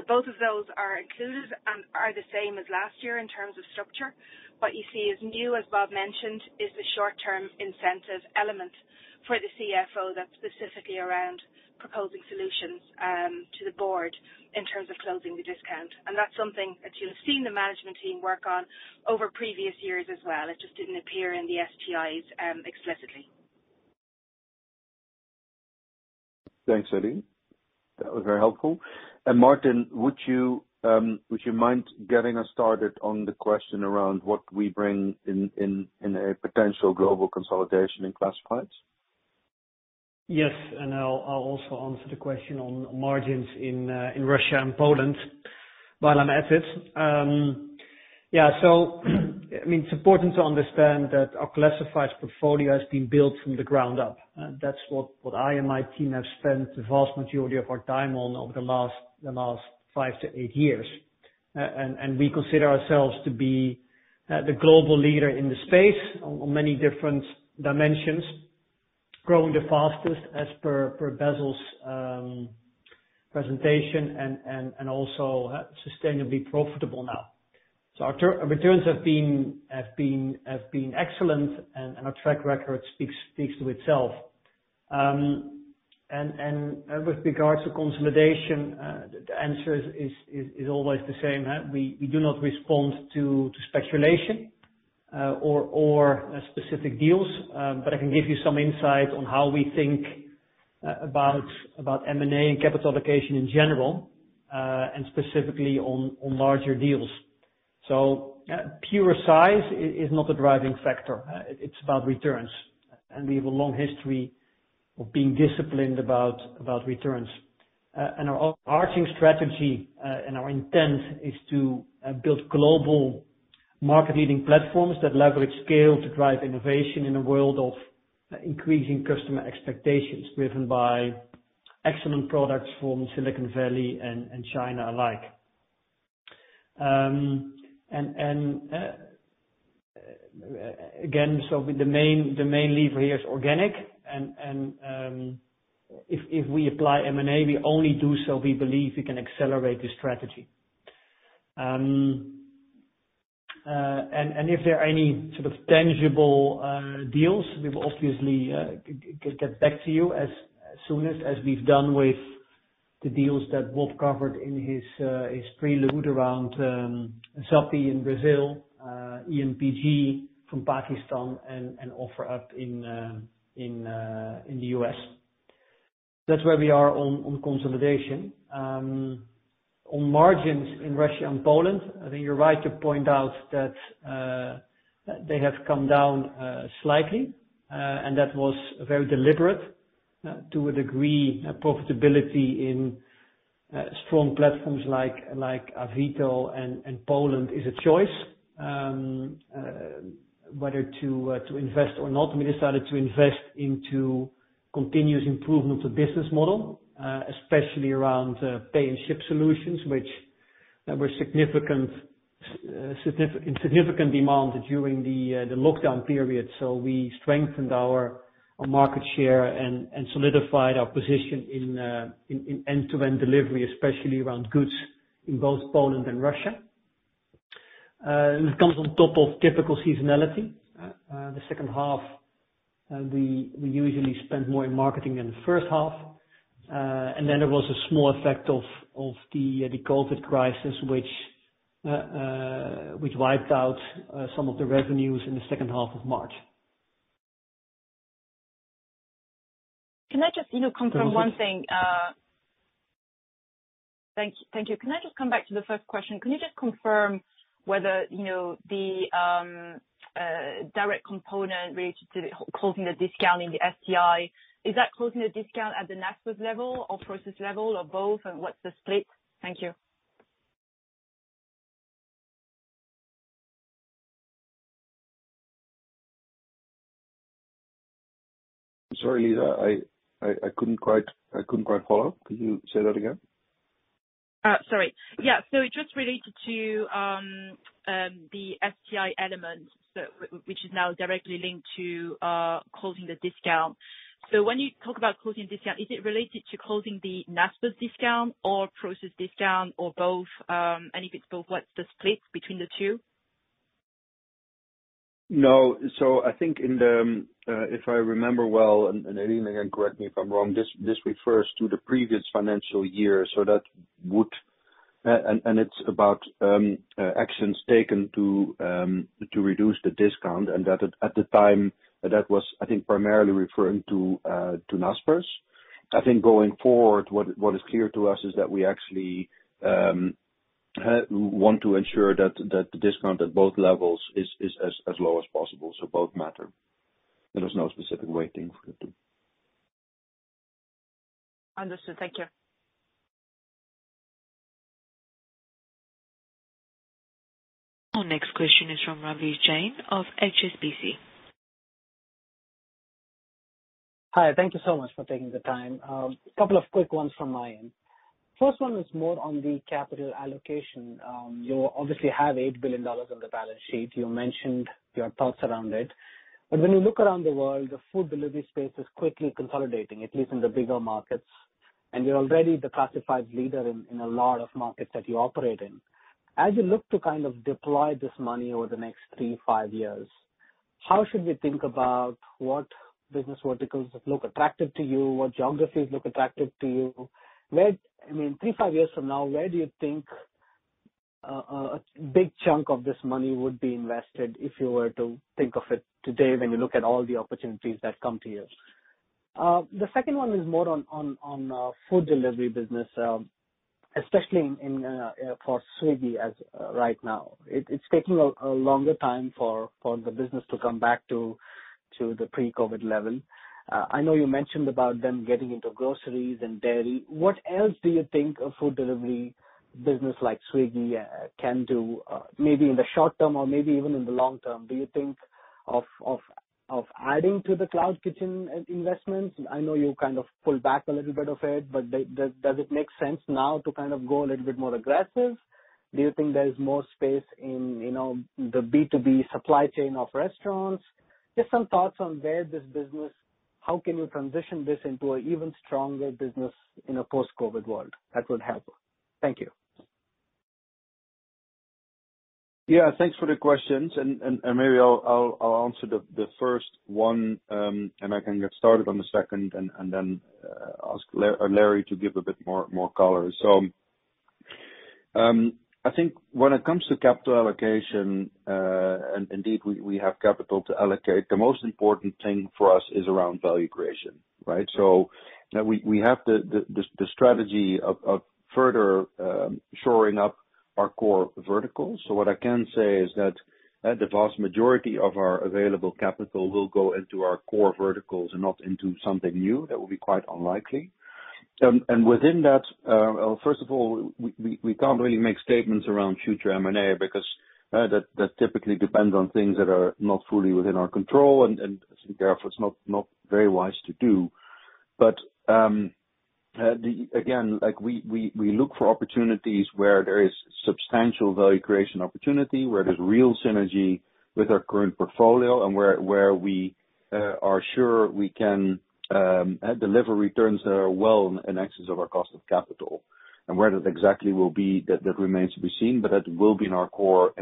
Both of those are included and are the same as last year in terms of structure. What you see is new, as Bob mentioned, is the short-term incentive element for the CFO that's specifically around proposing solutions to the board in terms of closing the discount. That's something that you'll have seen the management team work on over previous years as well. It just didn't appear in the STIs explicitly. Thanks, Aileen. That was very helpful. Martin, would you mind getting us started on the question around what we bring in a potential global consolidation in Classifieds? Yes, I'll also answer the question on margins in Russia and Poland while I'm at it. It's important to understand that our classified portfolio has been built from the ground up. That's what I and my team have spent the vast majority of our time on over the last five to eight years. We consider ourselves to be the global leader in the space on many different dimensions, growing the fastest as per Basil's presentation, and also sustainably profitable now. Our returns have been excellent, and our track record speaks to itself. With regards to consolidation, the answer is always the same. We do not respond to speculation or specific deals, but I can give you some insight on how we think about M&A and capital allocation in general, and specifically on larger deals. Pure size is not a driving factor. It's about returns. We have a long history of being disciplined about returns. Our arching strategy and our intent is to build global market-leading platforms that leverage scale to drive innovation in a world of increasing customer expectations, driven by excellent products from Silicon Valley and China alike. The main lever here is organic, and if we apply M&A, we only do so we believe we can accelerate the strategy. If there are any sort of tangible deals, we will obviously get back to you as soon as we've done with the deals that [Wolf] covered in his prelude around ZAP in Brazil, EMPG from Pakistan, and OfferUp in the U.S. That's where we are on consolidation. On margins in Russia and Poland, I think you're right to point out that they have come down slightly, that was very deliberate. To a degree, profitability in strong platforms like Avito and Poland is a choice. Whether to invest or not, we decided to invest into continuous improvement of business model, especially around pay and ship solutions, which were in significant demand during the lockdown period. We strengthened our market share and solidified our position in end-to-end delivery, especially around goods in both Poland and Russia. It comes on top of typical seasonality. The second half, we usually spend more in marketing than the first half. There was a small effect of the COVID crisis, which wiped out some of the revenues in the second half of March. Can I just come from one thing? Thank you. Can I just come back to the first question? Can you just confirm whether, the direct component related to closing the discount in the STI, is that closing the discount at the Naspers level or Prosus level or both, and what's the split? Thank you. Sorry, Lisa, I couldn't quite follow. Could you say that again? Sorry. Yeah. Just related to the STI element, which is now directly linked to closing the discount. When you talk about closing discount, is it related to closing the Naspers discount or Prosus discount or both? If it's both, what's the split between the two? No. I think, if I remember well, and Aileen again, correct me if I am wrong, this refers to the previous financial year, and it's about actions taken to reduce the discount, and at the time, that was, I think, primarily referring to Naspers. I think going forward, what is clear to us is that we actually want to ensure that the discount at both levels is as low as possible. Both matter. There is no specific weighting for the two. Understood. Thank you. Our next question is from Ravi Jain of HSBC. Hi, thank you so much for taking the time. A couple of quick ones from my end. First one is more on the capital allocation. You obviously have $8 billion on the balance sheet. You mentioned your thoughts around it. But when you look around the world, the Food delivery space is quickly consolidating, at least in the bigger markets, and you're already the Classifieds leader in a lot of markets that you operate in. As you look to kind of deploy this money over the next three, five years, how should we think about what business verticals look attractive to you? What geographies look attractive to you? Three, five years from now, where do you think a big chunk of this money would be invested if you were to think of it today when you look at all the opportunities that come to you? The second one is more on food delivery business, especially for Swiggy right now. It's taking a longer time for the business to come back to the pre-COVID level. I know you mentioned about them getting into groceries and dairy. What else do you think a food delivery business like Swiggy can do? Maybe in the short term or maybe even in the long term, do you think of adding to the cloud kitchen investments? I know you kind of pulled back a little bit of it. Does it make sense now to kind of go a little bit more aggressive? Do you think there is more space in the B2B supply chain of restaurants? Just some thoughts on where this business, how can you transition this into an even stronger business in a post-COVID world? That would help. Thank you. Yeah, thanks for the questions. Maybe I'll answer the first one, and I can get started on the second and then ask Larry to give a bit more color. I think when it comes to capital allocation, and indeed we have capital to allocate, the most important thing for us is around value creation, right? We have the strategy of further shoring up our core verticals. What I can say is that the vast majority of our available capital will go into our core verticals and not into something new. That will be quite unlikely. Within that, first of all, we can't really make statements around future M&A because that typically depends on things that are not fully within our control, and therefore, it's not very wise to do. Again, we look for opportunities where there is substantial value creation opportunity, where there's real synergy with our current portfolio and where we are sure we can deliver returns that are well in excess of our cost of capital. Where that exactly will be, that remains to be seen, but that will be in our core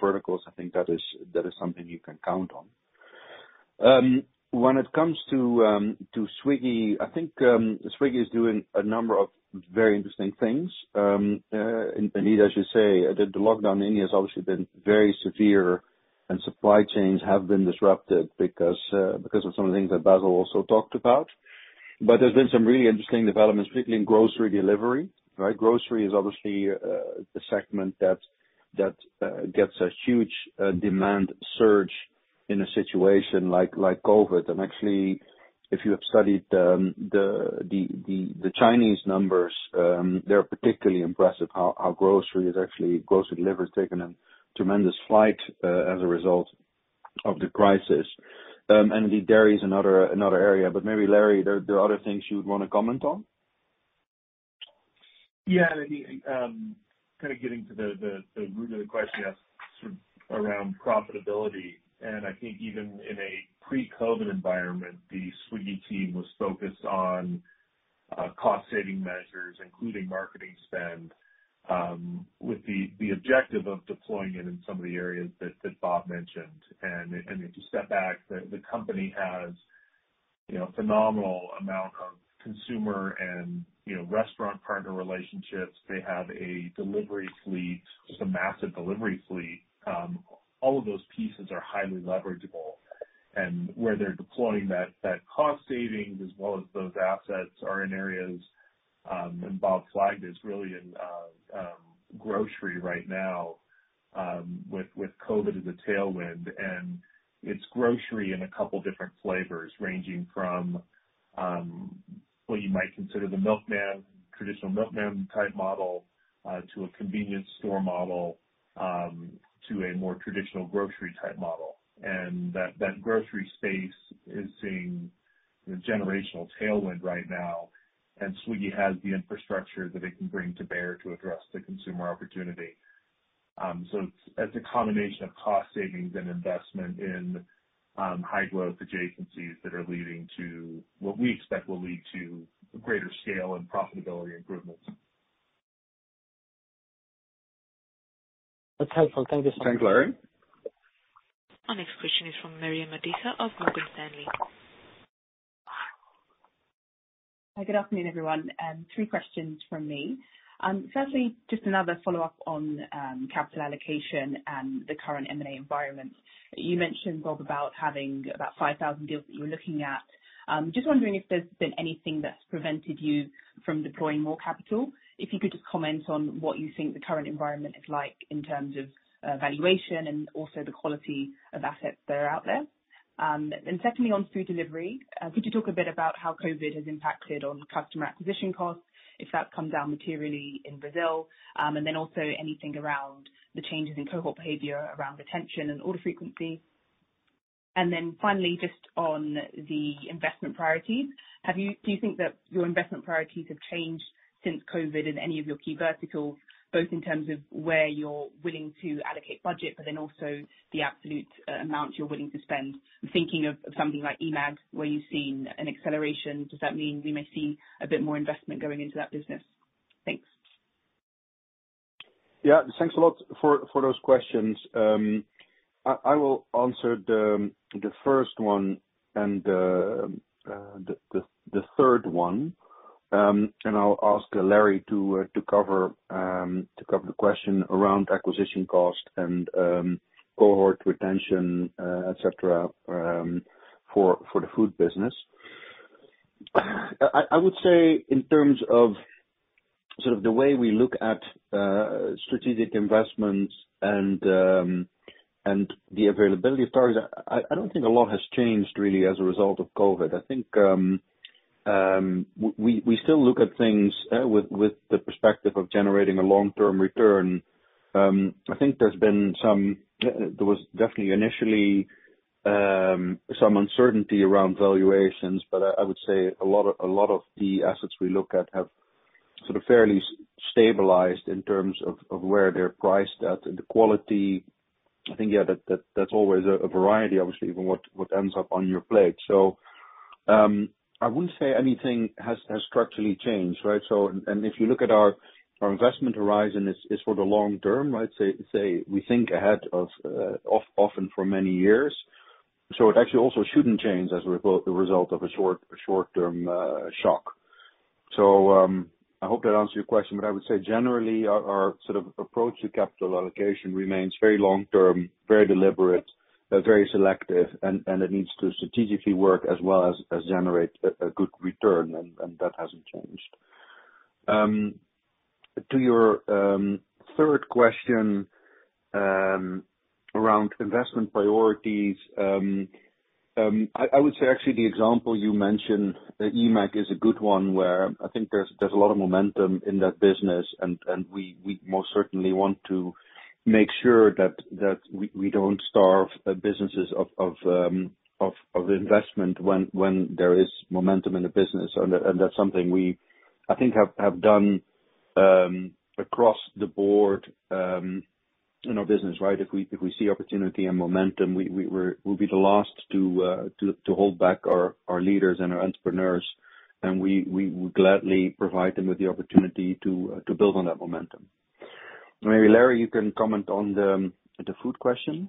verticals. I think that is something you can count on. When it comes to Swiggy, I think Swiggy is doing a number of very interesting things. Indeed, I should say that the lockdown in India has obviously been very severe and supply chains have been disrupted because of some of the things that Basil also talked about. There's been some really interesting developments, particularly in grocery delivery. Grocery is obviously the segment that gets a huge demand surge in a situation like COVID. Actually, if you have studied the Chinese numbers, they're particularly impressive how grocery delivery has taken a tremendous flight as a result of the crisis. Indeed, dairy is another area. Maybe, Larry, there are other things you would want to comment on. Yeah. I think, kind of getting to the root of the question you asked around profitability, I think even in a pre-COVID environment, the Swiggy team was focused on cost saving measures, including marketing spend, with the objective of deploying it in some of the areas that Bob mentioned. If you step back, the company has a phenomenal amount of consumer and restaurant partner relationships. They have a delivery fleet, just a massive delivery fleet. All of those pieces are highly leverageable. Where they're deploying that cost savings as well as those assets are in areas, and Bob flagged this, really in grocery right now, with COVID as a tailwind. It's grocery in a couple different flavors, ranging from what you might consider the traditional milkman type model, to a convenience store model, to a more traditional grocery type model. That grocery space is seeing a generational tailwind right now, and Swiggy has the infrastructure that it can bring to bear to address the consumer opportunity. It's a combination of cost savings and investment in high growth adjacencies that are leading to what we expect will lead to greater scale and profitability improvements. That's helpful. Thank you so much. Thanks, Larry. Our next question is from Miriam Adisa of Morgan Stanley. Hi, good afternoon, everyone. Three questions from me. Firstly, just another follow-up on capital allocation and the current M&A environment. You mentioned, Bob, about having about 5,000 deals that you were looking at. Just wondering if there's been anything that's prevented you from deploying more capital. If you could just comment on what you think the current environment is like in terms of valuation and also the quality of assets that are out there. Secondly, on food delivery, could you talk a bit about how COVID has impacted on customer acquisition costs, if that's come down materially in Brazil? Also anything around the changes in cohort behavior around retention and order frequency. Finally, just on the investment priorities, do you think that your investment priorities have changed since COVID in any of your key verticals, both in terms of where you're willing to allocate budget, but then also the absolute amount you're willing to spend? I'm thinking of something like eMAG, where you've seen an acceleration. Does that mean we may see a bit more investment going into that business? Thanks. Yeah, thanks a lot for those questions. I will answer the first one and the third one, and I'll ask Larry to cover the question around acquisition cost and cohort retention, et cetera, for the food business. I would say in terms of the way we look at strategic investments and the availability of targets, I don't think a lot has changed really as a result of COVID. I think we still look at things with the perspective of generating a long-term return. I think there was definitely initially some uncertainty around valuations, but I would say a lot of the assets we look at have fairly stabilized in terms of where they're priced at and the quality. I think, yeah, that's always a variety, obviously, from what ends up on your plate. I wouldn't say anything has structurally changed, right? If you look at our investment horizon is for the long term, I'd say we think ahead often for many years. It actually also shouldn't change as the result of a short-term shock. I hope that answers your question, but I would say generally, our approach to capital allocation remains very long-term, very deliberate, very selective, and it needs to strategically work as well as generate a good return, and that hasn't changed. To your third question around investment priorities, I would say actually the example you mentioned, eMAG, is a good one where I think there's a lot of momentum in that business, and we most certainly want to make sure that we don't starve businesses of investment when there is momentum in the business. That's something we, I think, have done across the board in our business, right? If we see opportunity and momentum, we'll be the last to hold back our leaders and our entrepreneurs. We would gladly provide them with the opportunity to build on that momentum. Maybe Larry, you can comment on the food question.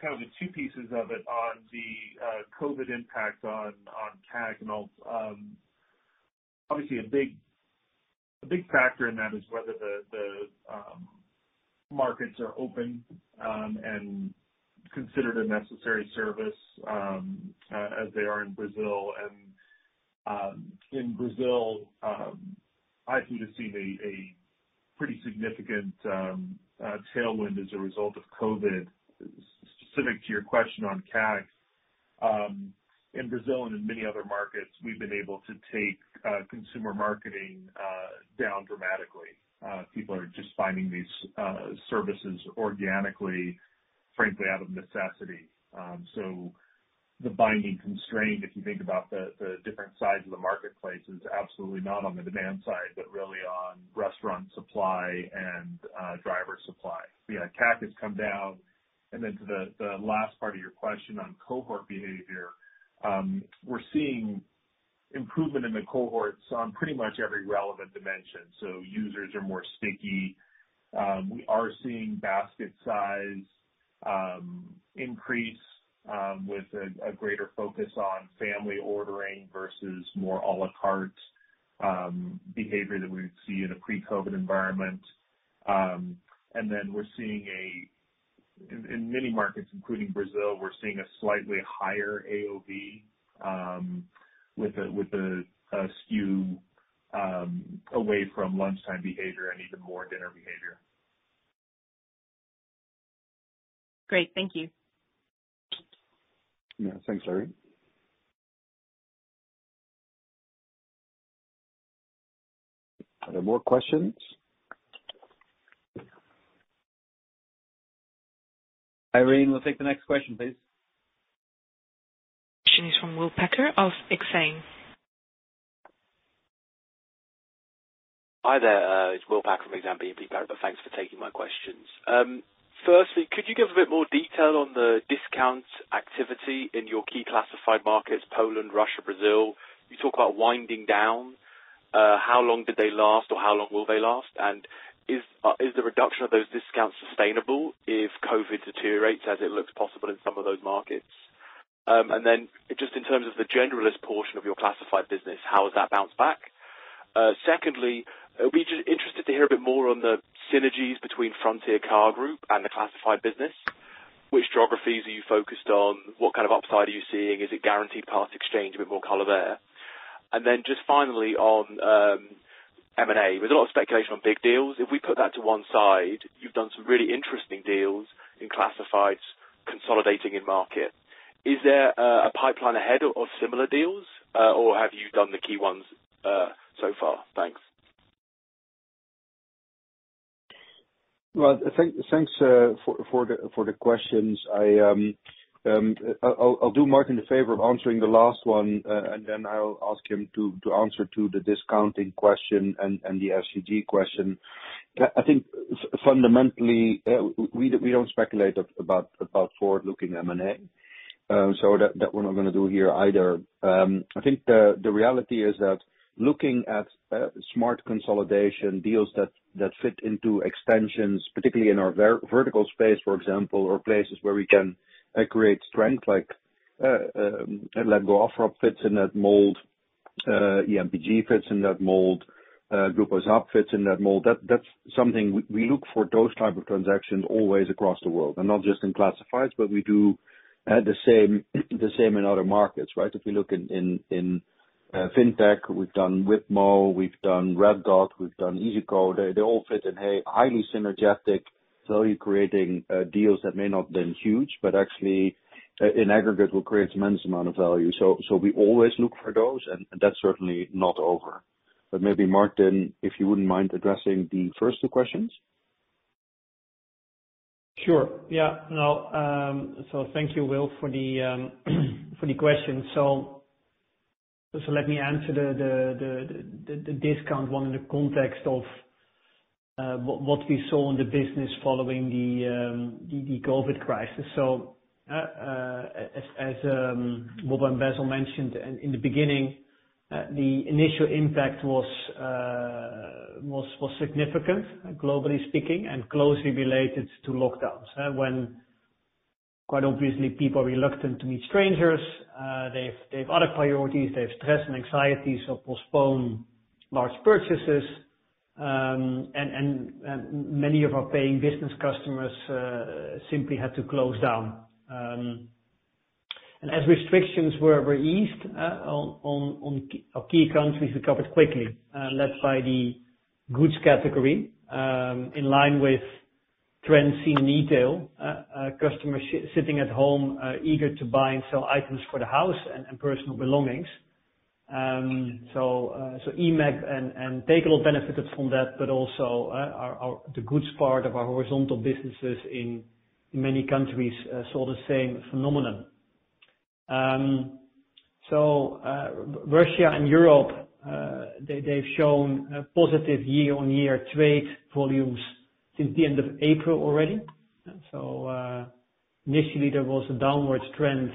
Kind of the two pieces of it on the COVID impact on CAC and all. Obviously, a big factor in that is whether the markets are open and considered a necessary service as they are in Brazil. In Brazil, I think you've seen a pretty significant tailwind as a result of COVID. Specific to your question on CAC, in Brazil and in many other markets, we've been able to take consumer marketing down dramatically. People are just finding these services organically, frankly, out of necessity. The binding constraint, if you think about the different sides of the marketplace, is absolutely not on the demand side, but really on restaurant supply and driver supply. CAC has come down. To the last part of your question on cohort behavior, we're seeing improvement in the cohorts on pretty much every relevant dimension. Users are more sticky. We are seeing basket size increase with a greater focus on family ordering versus more a la carte behavior that we would see in a pre-COVID environment. In many markets, including Brazil, we're seeing a slightly higher AOV, with a skew away from lunchtime behavior and even more dinner behavior. Great. Thank you. Yeah. Thanks, Larry. Are there more questions? Irene, we'll take the next question, please. Question is from Will Packer of Exane. Hi there. It's Will Packer from Exane BNP Paribas. Thanks for taking my questions. Firstly, could you give a bit more detail on the discount activity in your key classified markets, Poland, Russia, Brazil? You talk about winding down. How long did they last or how long will they last? Is the reduction of those discounts sustainable if COVID deteriorates as it looks possible in some of those markets? Just in terms of the generalist portion of your classified business, how has that bounced back? Secondly, I'd be interested to hear a bit more on the synergies between Frontier Car Group and the classified business. Which geographies are you focused on? What kind of upside are you seeing? Is it guaranteed parts exchange? A bit more color there. Just finally on M&A. With a lot of speculation on big deals, if we put that to one side, you've done some really interesting deals in Classifieds consolidating in market. Is there a pipeline ahead of similar deals or have you done the key ones so far? Thanks. Well, thanks for the questions. I'll do Martin the favor of answering the last one, and then I'll ask him to answer to the discounting question and the FCG question. I think fundamentally, we don't speculate about forward-looking M&A. That we're not going to do here either. I think the reality is that looking at smart consolidation deals that fit into extensions, particularly in our vertical space, for example, or places where we can create strength like letgo OfferUp fits in that mold, EMPG fits in that mold, Grupo ZAP fits in that mold. We look for those type of transactions always across the world, and not just in classifieds, but we do the same in other markets, right? If we look in fintech, we've done Wibmo, we've done Red Dot, we've done iyzico. They all fit in, hey, highly synergetic value-creating deals that may not been huge, but actually in aggregate will create immense amount of value. We always look for those, and that's certainly not over. Maybe Martin, if you wouldn't mind addressing the first two questions. Sure. Yeah. Thank you, Will, for the question. Let me answer the discount one in the context of what we saw in the business following the COVID crisis. As Bob and Basil mentioned in the beginning, the initial impact was significant, globally speaking, and closely related to lockdowns. When quite obviously, people are reluctant to meet strangers, they have other priorities, they have stress and anxiety, so postpone large purchases. Many of our paying business customers simply had to close down. As restrictions were eased on key countries, we recovered quickly, led by the goods category, in line with trends seen in retail, customers sitting at home, eager to buy and sell items for the house and personal belongings. eMAG and Takealot benefited from that, but also, the goods part of our horizontal businesses in many countries saw the same phenomenon. Russia and Europe, they've shown a positive year-on-year trade volumes since the end of April already. Initially there was a downward trend,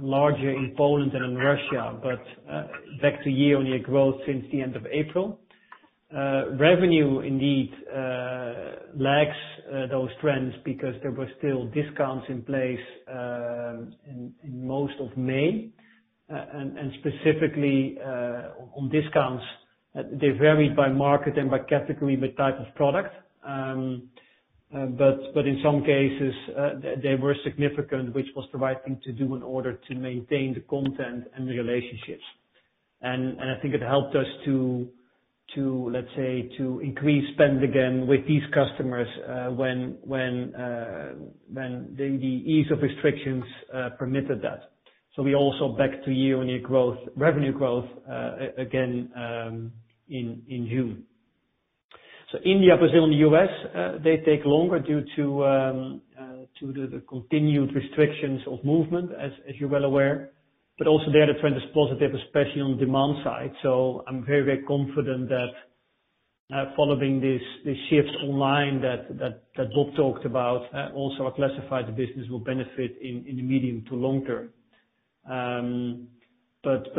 larger in Poland than in Russia, but back to year-on-year growth since the end of April. Revenue indeed lags those trends because there were still discounts in place in most of May. Specifically, on discounts, they varied by market and by category by type of product. In some cases, they were significant, which was the right thing to do in order to maintain the content and the relationships. I think it helped us to, let's say, to increase spend again with these customers, when the ease of restrictions permitted that. We're also back to year-on-year revenue growth again in June. India, Brazil, and the U.S., they take longer due to the continued restrictions of movement, as you're well aware. Also there, the trend is positive, especially on demand side. I'm very confident that following this shift online that Bob talked about, also our classified business will benefit in the medium to long term.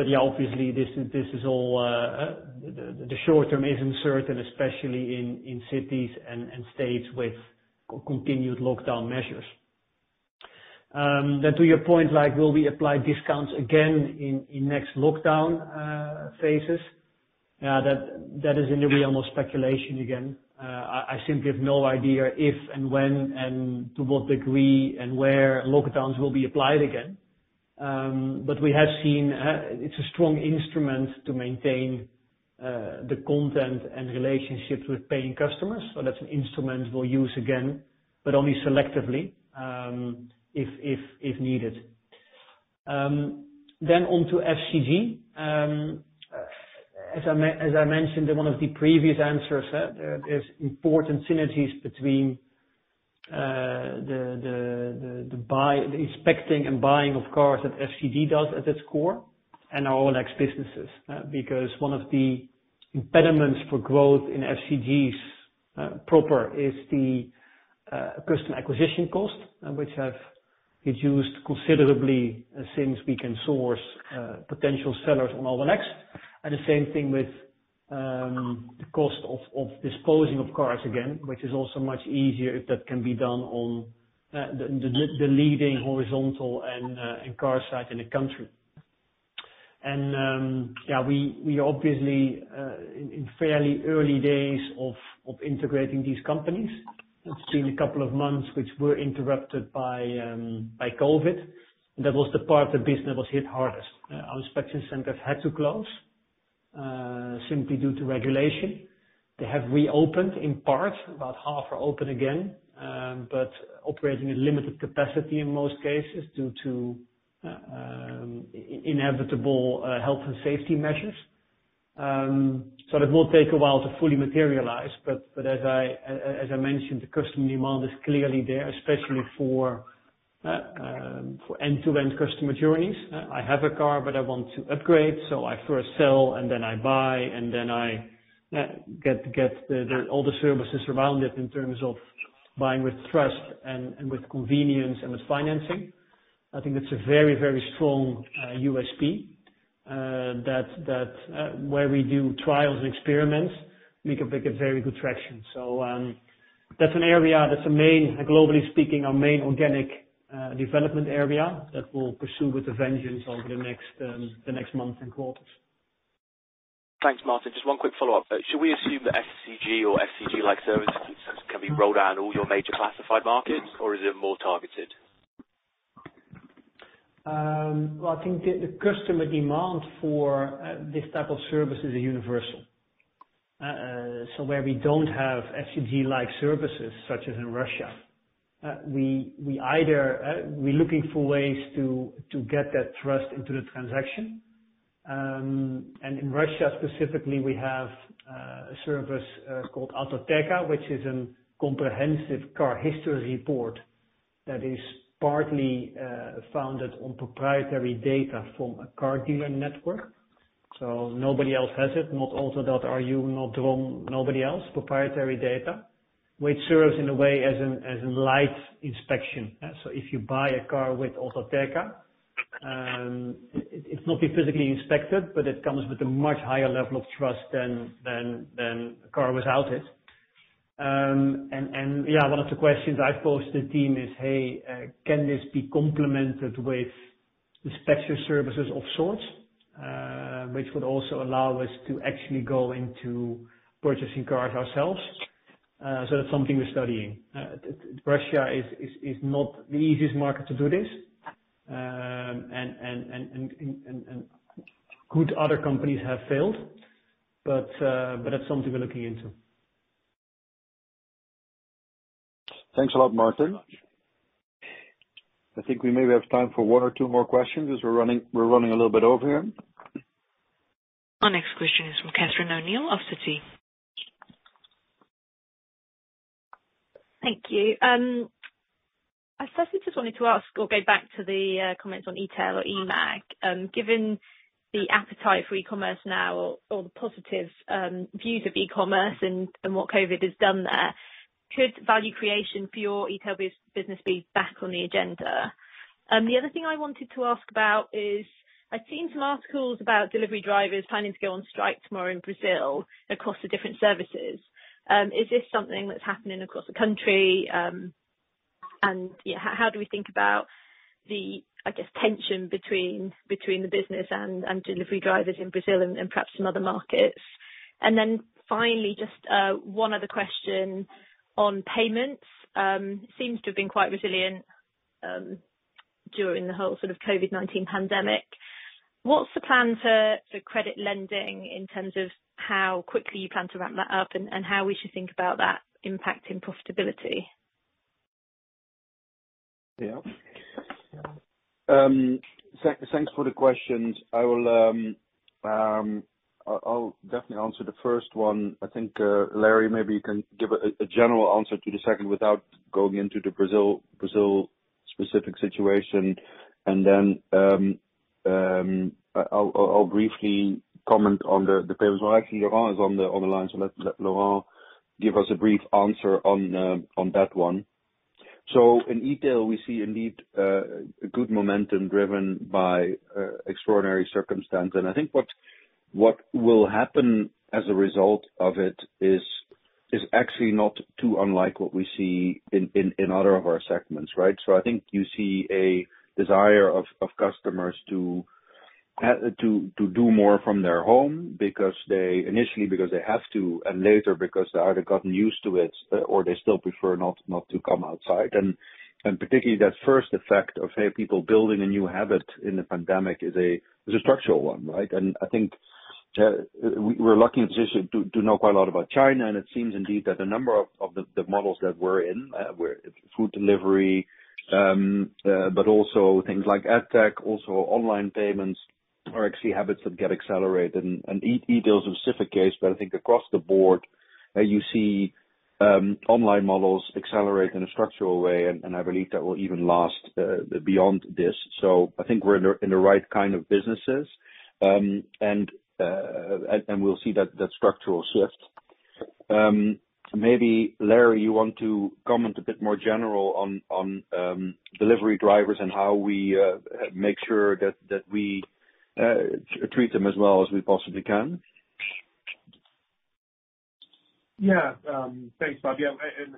Yeah, obviously, the short term is uncertain, especially in cities and states with continued lockdown measures. To your point, will we apply discounts again in next lockdown phases? That is in the realm of speculation again. I simply have no idea if and when, and to what degree, and where lockdowns will be applied again. We have seen it's a strong instrument to maintain the content and relationships with paying customers. That's an instrument we'll use again, but only selectively if needed. On to FCG. As I mentioned in one of the previous answers, there's important synergies between the inspecting and buying of cars that FCG does at its core and our OLX businesses. One of the impediments for growth in FCG's proper is the customer acquisition cost, which has reduced considerably since we can source potential sellers on OLX. The same thing with the cost of disposing of cars again, which is also much easier if that can be done on the leading horizontal and car site in the country. Yeah, we obviously, in fairly early days of integrating these companies. It's been a couple of months which were interrupted by COVID. That was the part of the business that was hit hardest. Our inspection centers had to close, simply due to regulation. They have reopened in part, about half are open again, but operating at limited capacity in most cases due to inevitable health and safety measures. It will take a while to fully materialize, but as I mentioned, the customer demand is clearly there, especially for end-to-end customer journeys. I have a car, but I want to upgrade, so I first sell and then I buy, and then I get all the services around it in terms of buying with trust and with convenience and with financing. I think that's a very, very strong USP, that where we do trials and experiments, we can make a very good traction. That's an area that's, globally speaking, our main organic development area that we'll pursue with a vengeance over the next months and quarters. Thanks, Martin. Just one quick follow-up. Should we assume that FCG or FCG-like services can be rolled out in all your major classified markets, or is it more targeted? Well, I think the customer demand for this type of service is universal. Where we don't have FCG-like services, such as in Russia, we're looking for ways to get that trust into the transaction. In Russia specifically, we have a service called Autoteka, which is a comprehensive car history report that is partly founded on proprietary data from a car dealer network. Nobody else has it, not Auto.ru, not Drom, nobody else. Proprietary data, which serves in a way as a light inspection. If you buy a car with Autoteka, it's not been physically inspected, but it comes with a much higher level of trust than a car without it. Yeah, one of the questions I've posed to the team is, "Hey, can this be complemented with inspection services of sorts?" Which would also allow us to actually go into purchasing cars ourselves. That's something we're studying. Russia is not the easiest market to do this, and good other companies have failed, but that's something we're looking into. Thanks a lot, Martin. I think we maybe have time for one or two more questions, as we're running a little bit over here. Our next question is from Catherine O'Neill of Citi. Thank you. I firstly just wanted to ask or go back to the comments on e-tail or eMAG. Given the appetite for e-commerce now or the positive views of e-commerce and what COVID has done there, could value creation for your e-tail business be back on the agenda? The other thing I wanted to ask about is, I've seen some articles about delivery drivers planning to go on strike tomorrow in Brazil across the different services. Is this something that's happening across the country? How do we think about the, I guess, tension between the business and delivery drivers in Brazil and perhaps some other markets? Finally, just one other question on payments. Seems to have been quite resilient during the whole COVID-19 pandemic. What's the plan for credit lending in terms of how quickly you plan to ramp that up and how we should think about that impacting profitability? Yeah. Thanks for the questions. I'll definitely answer the first one. I think, Larry, maybe you can give a general answer to the second without going into the Brazil-specific situation, and then I'll briefly comment on the payment. Well, actually, Laurent is on the line, so let Laurent give us a brief answer on that one. In eTail, we see indeed a good momentum driven by extraordinary circumstance. I think what will happen as a result of it is actually not too unlike what we see in other of our segments, right? I think you see a desire of customers to do more from their home initially because they have to, and later because they either gotten used to it or they still prefer not to come outside. Particularly that first effect of people building a new habit in the pandemic is a structural one, right? I think we're lucky in a position to know quite a lot about China, and it seems indeed that a number of the models that we're in, food delivery, but also things like EdTech, also online payments are actually habits that get accelerated, and eTail is a specific case. I think across the board, you see online models accelerate in a structural way, and I believe that will even last beyond this. I think we're in the right kind of businesses, and we'll see that structural shift. Maybe, Larry, you want to comment a bit more general on delivery drivers and how we make sure that we treat them as well as we possibly can. Yeah. Thanks, Bob. Yeah,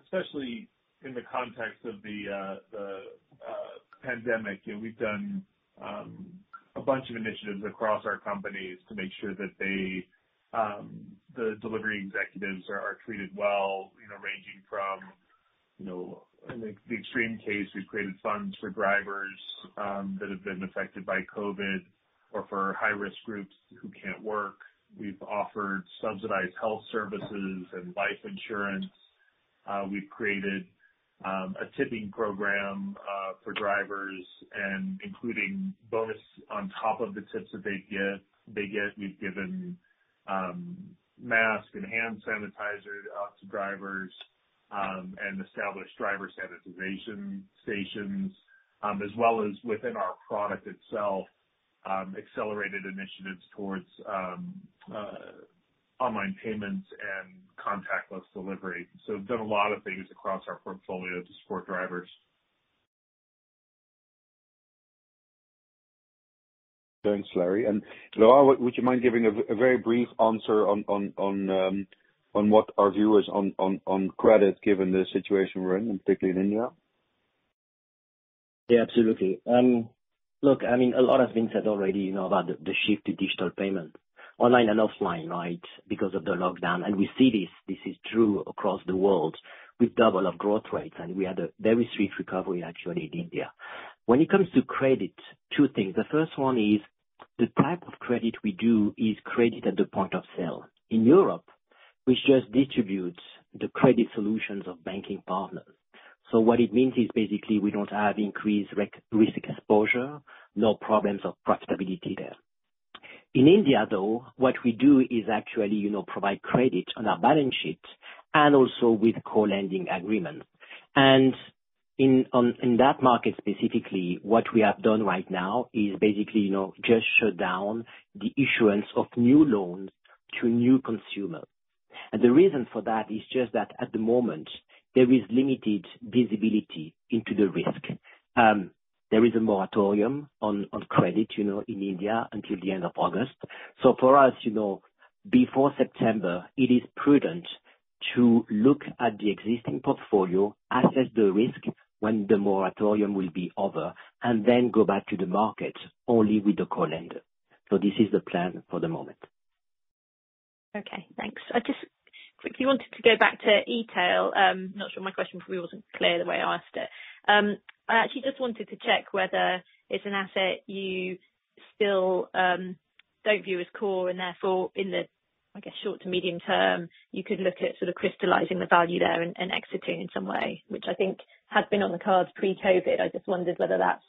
especially in the context of the pandemic, we've done a bunch of initiatives across our companies to make sure that the delivery executives are treated well, ranging from, in the extreme case, we've created funds for drivers that have been affected by COVID or for high-risk groups who can't work. We've offered subsidized health services and life insurance. We've created a tipping program for drivers and including bonus on top of the tips that they get. We've given masks and hand sanitizers to drivers, and established driver sanitization stations, as well as within our product itself, accelerated initiatives towards online payments and contactless delivery. We've done a lot of things across our portfolio to support drivers. Thanks, Larry. Laurent, would you mind giving a very brief answer on what our view is on credit given the situation we're in, particularly in India? Yeah, absolutely. Look, a lot has been said already about the shift to digital payment, online and offline, right, because of the lockdown. We see this is true across the world. We've doubled our growth rates, and we had a very swift recovery actually in India. When it comes to credit, two things. The first one is the type of credit we do is credit at the point of sale. In Europe, we just distribute the credit solutions of banking partners. What it means is basically we don't have increased risk exposure, no problems of profitability there. In India, though, what we do is actually provide credit on our balance sheet and also with co-lending agreement. In that market specifically, what we have done right now is basically just shut down the issuance of new loans to new consumers. The reason for that is just that at the moment, there is limited visibility into the risk. There is a moratorium on credit in India until the end of August. For us, before September, it is prudent to look at the existing portfolio, assess the risk when the moratorium will be over, and then go back to the market only with the co-lender. This is the plan for the moment. Okay, thanks. I just quickly wanted to go back to eMAG. Not sure my question probably wasn't clear the way I asked it. I actually just wanted to check whether it's an asset you still don't view as core and therefore in the, I guess, short to medium term, you could look at sort of crystallizing the value there and exiting in some way, which I think had been on the cards pre-COVID. I just wondered whether that's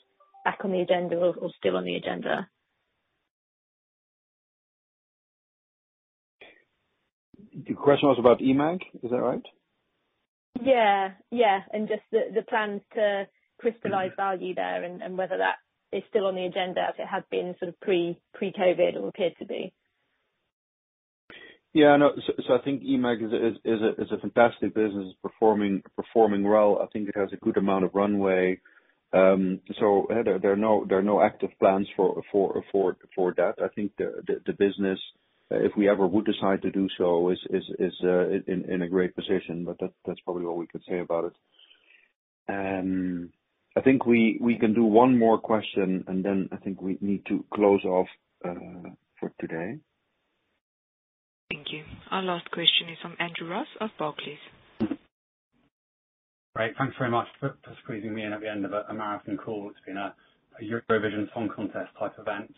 back on the agenda or still on the agenda. The question was about eMAG, is that right? Yeah. Just the plans to crystallize value there and whether that is still on the agenda as it had been sort of pre-COVID or appeared to be. Yeah, no. I think eMAG is a fantastic business. It's performing well. I think it has a good amount of runway. There are no active plans for that. I think the business, if we ever would decide to do so, is in a great position, but that's probably all we could say about it. I think we can do one more question, and then I think we need to close off for today. Thank you. Our last question is from Andrew Ross of Barclays. Great. Thanks very much for squeezing me in at the end of a marathon call. It's been a Eurovision Song Contest type event.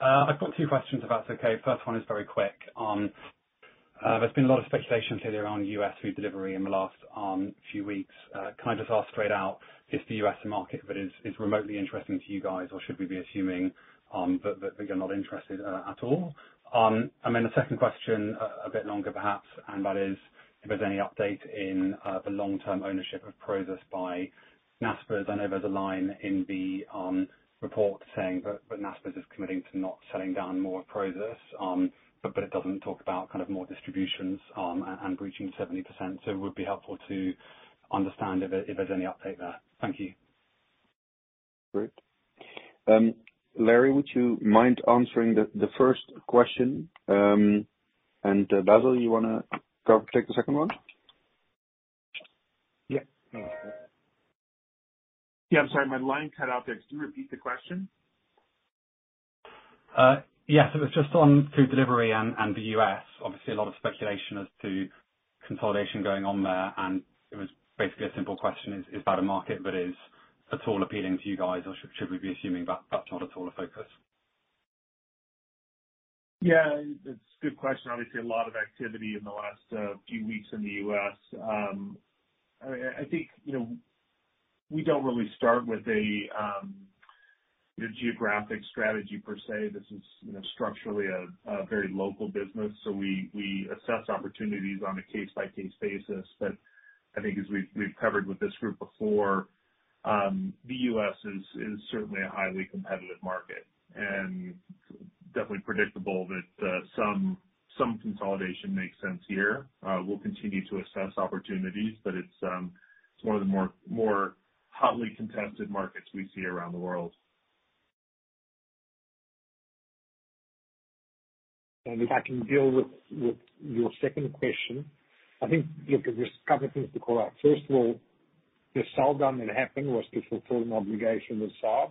I've got two questions if that's okay. First one is very quick. There's been a lot of speculation today around U.S. food delivery in the last few weeks. Can I just ask straight out, is the U.S. market remotely interesting to you guys or should we be assuming that you're not interested at all? The second question, a bit longer perhaps, and that is if there's any update in the long-term ownership of Prosus by Naspers. I know there's a line in the report saying that Naspers is committing to not selling down more of Prosus, but it doesn't talk about more distributions and breaching 70%. It would be helpful to understand if there's any update there. Thank you. Great. Larry, would you mind answering the first question? Basil, you want to take the second one? Yeah. Yeah. I'm sorry, my line cut out there. Could you repeat the question? Yes. It was just on food delivery and the U.S. Obviously, a lot of speculation as to consolidation going on there, and it was basically a simple question. Is that a market that is at all appealing to you guys, or should we be assuming that is not at all a focus? Yeah, it's a good question. Obviously, a lot of activity in the last few weeks in the U.S. I think we don't really start with a geographic strategy per se. This is structurally a very local business. We assess opportunities on a case-by-case basis. I think as we've covered with this group before, the U.S. is certainly a highly competitive market, and definitely predictable that some consolidation makes sense here. We'll continue to assess opportunities, but it's one of the more hotly contested markets we see around the world. If I can deal with your second question, I think, look, there's a couple of things to call out. First of all, the sell-down that happened was to fulfill an obligation with SARB,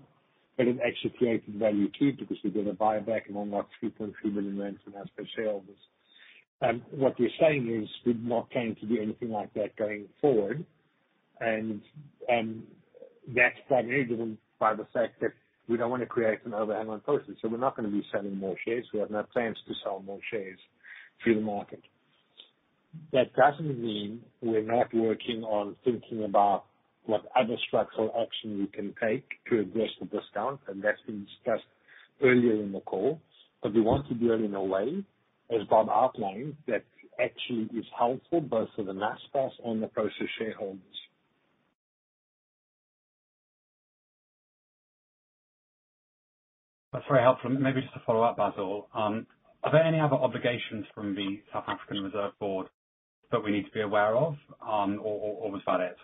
but it actually created value too, because we did a buyback and unlocked ZAR 3.3 billion from Naspers shareholders. What we're saying is we're not planning to do anything like that going forward, and that's primarily driven by the fact that we don't want to create an overhang on Prosus, so we're not going to be selling more shares. We have no plans to sell more shares through the market. That doesn't mean we're not working on thinking about what other structural action we can take to address the discount, and that's been discussed earlier in the call. We want to do it in a way, as Bob outlined, that actually is helpful both to the Naspers and the Prosus shareholders. That is very helpful. Maybe just to follow up, Basil. Are there any other obligations from the South African Reserve Bank that we need to be aware of, or was that it?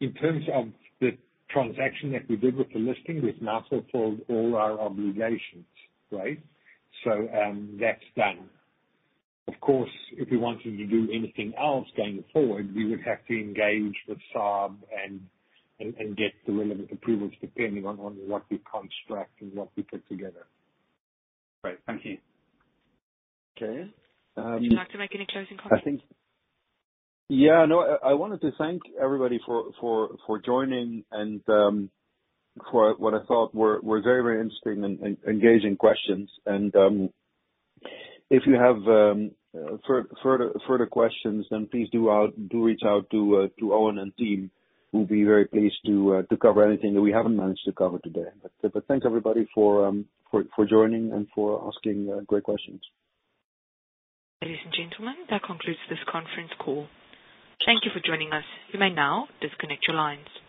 In terms of the transaction that we did with the listing, we've now fulfilled all our obligations, right? That's done. Of course, if we wanted to do anything else going forward, we would have to engage with SARB and get the relevant approvals depending on what we construct and what we put together. Great, thank you. Okay. Would you like to make any closing comments? Yeah, no. I wanted to thank everybody for joining and for what I thought were very interesting and engaging questions. If you have further questions, then please do reach out to Eoin and team, who'll be very pleased to cover anything that we haven't managed to cover today. Thanks, everybody, for joining and for asking great questions. Ladies and gentlemen, that concludes this conference call. Thank you for joining us. You may now disconnect your lines.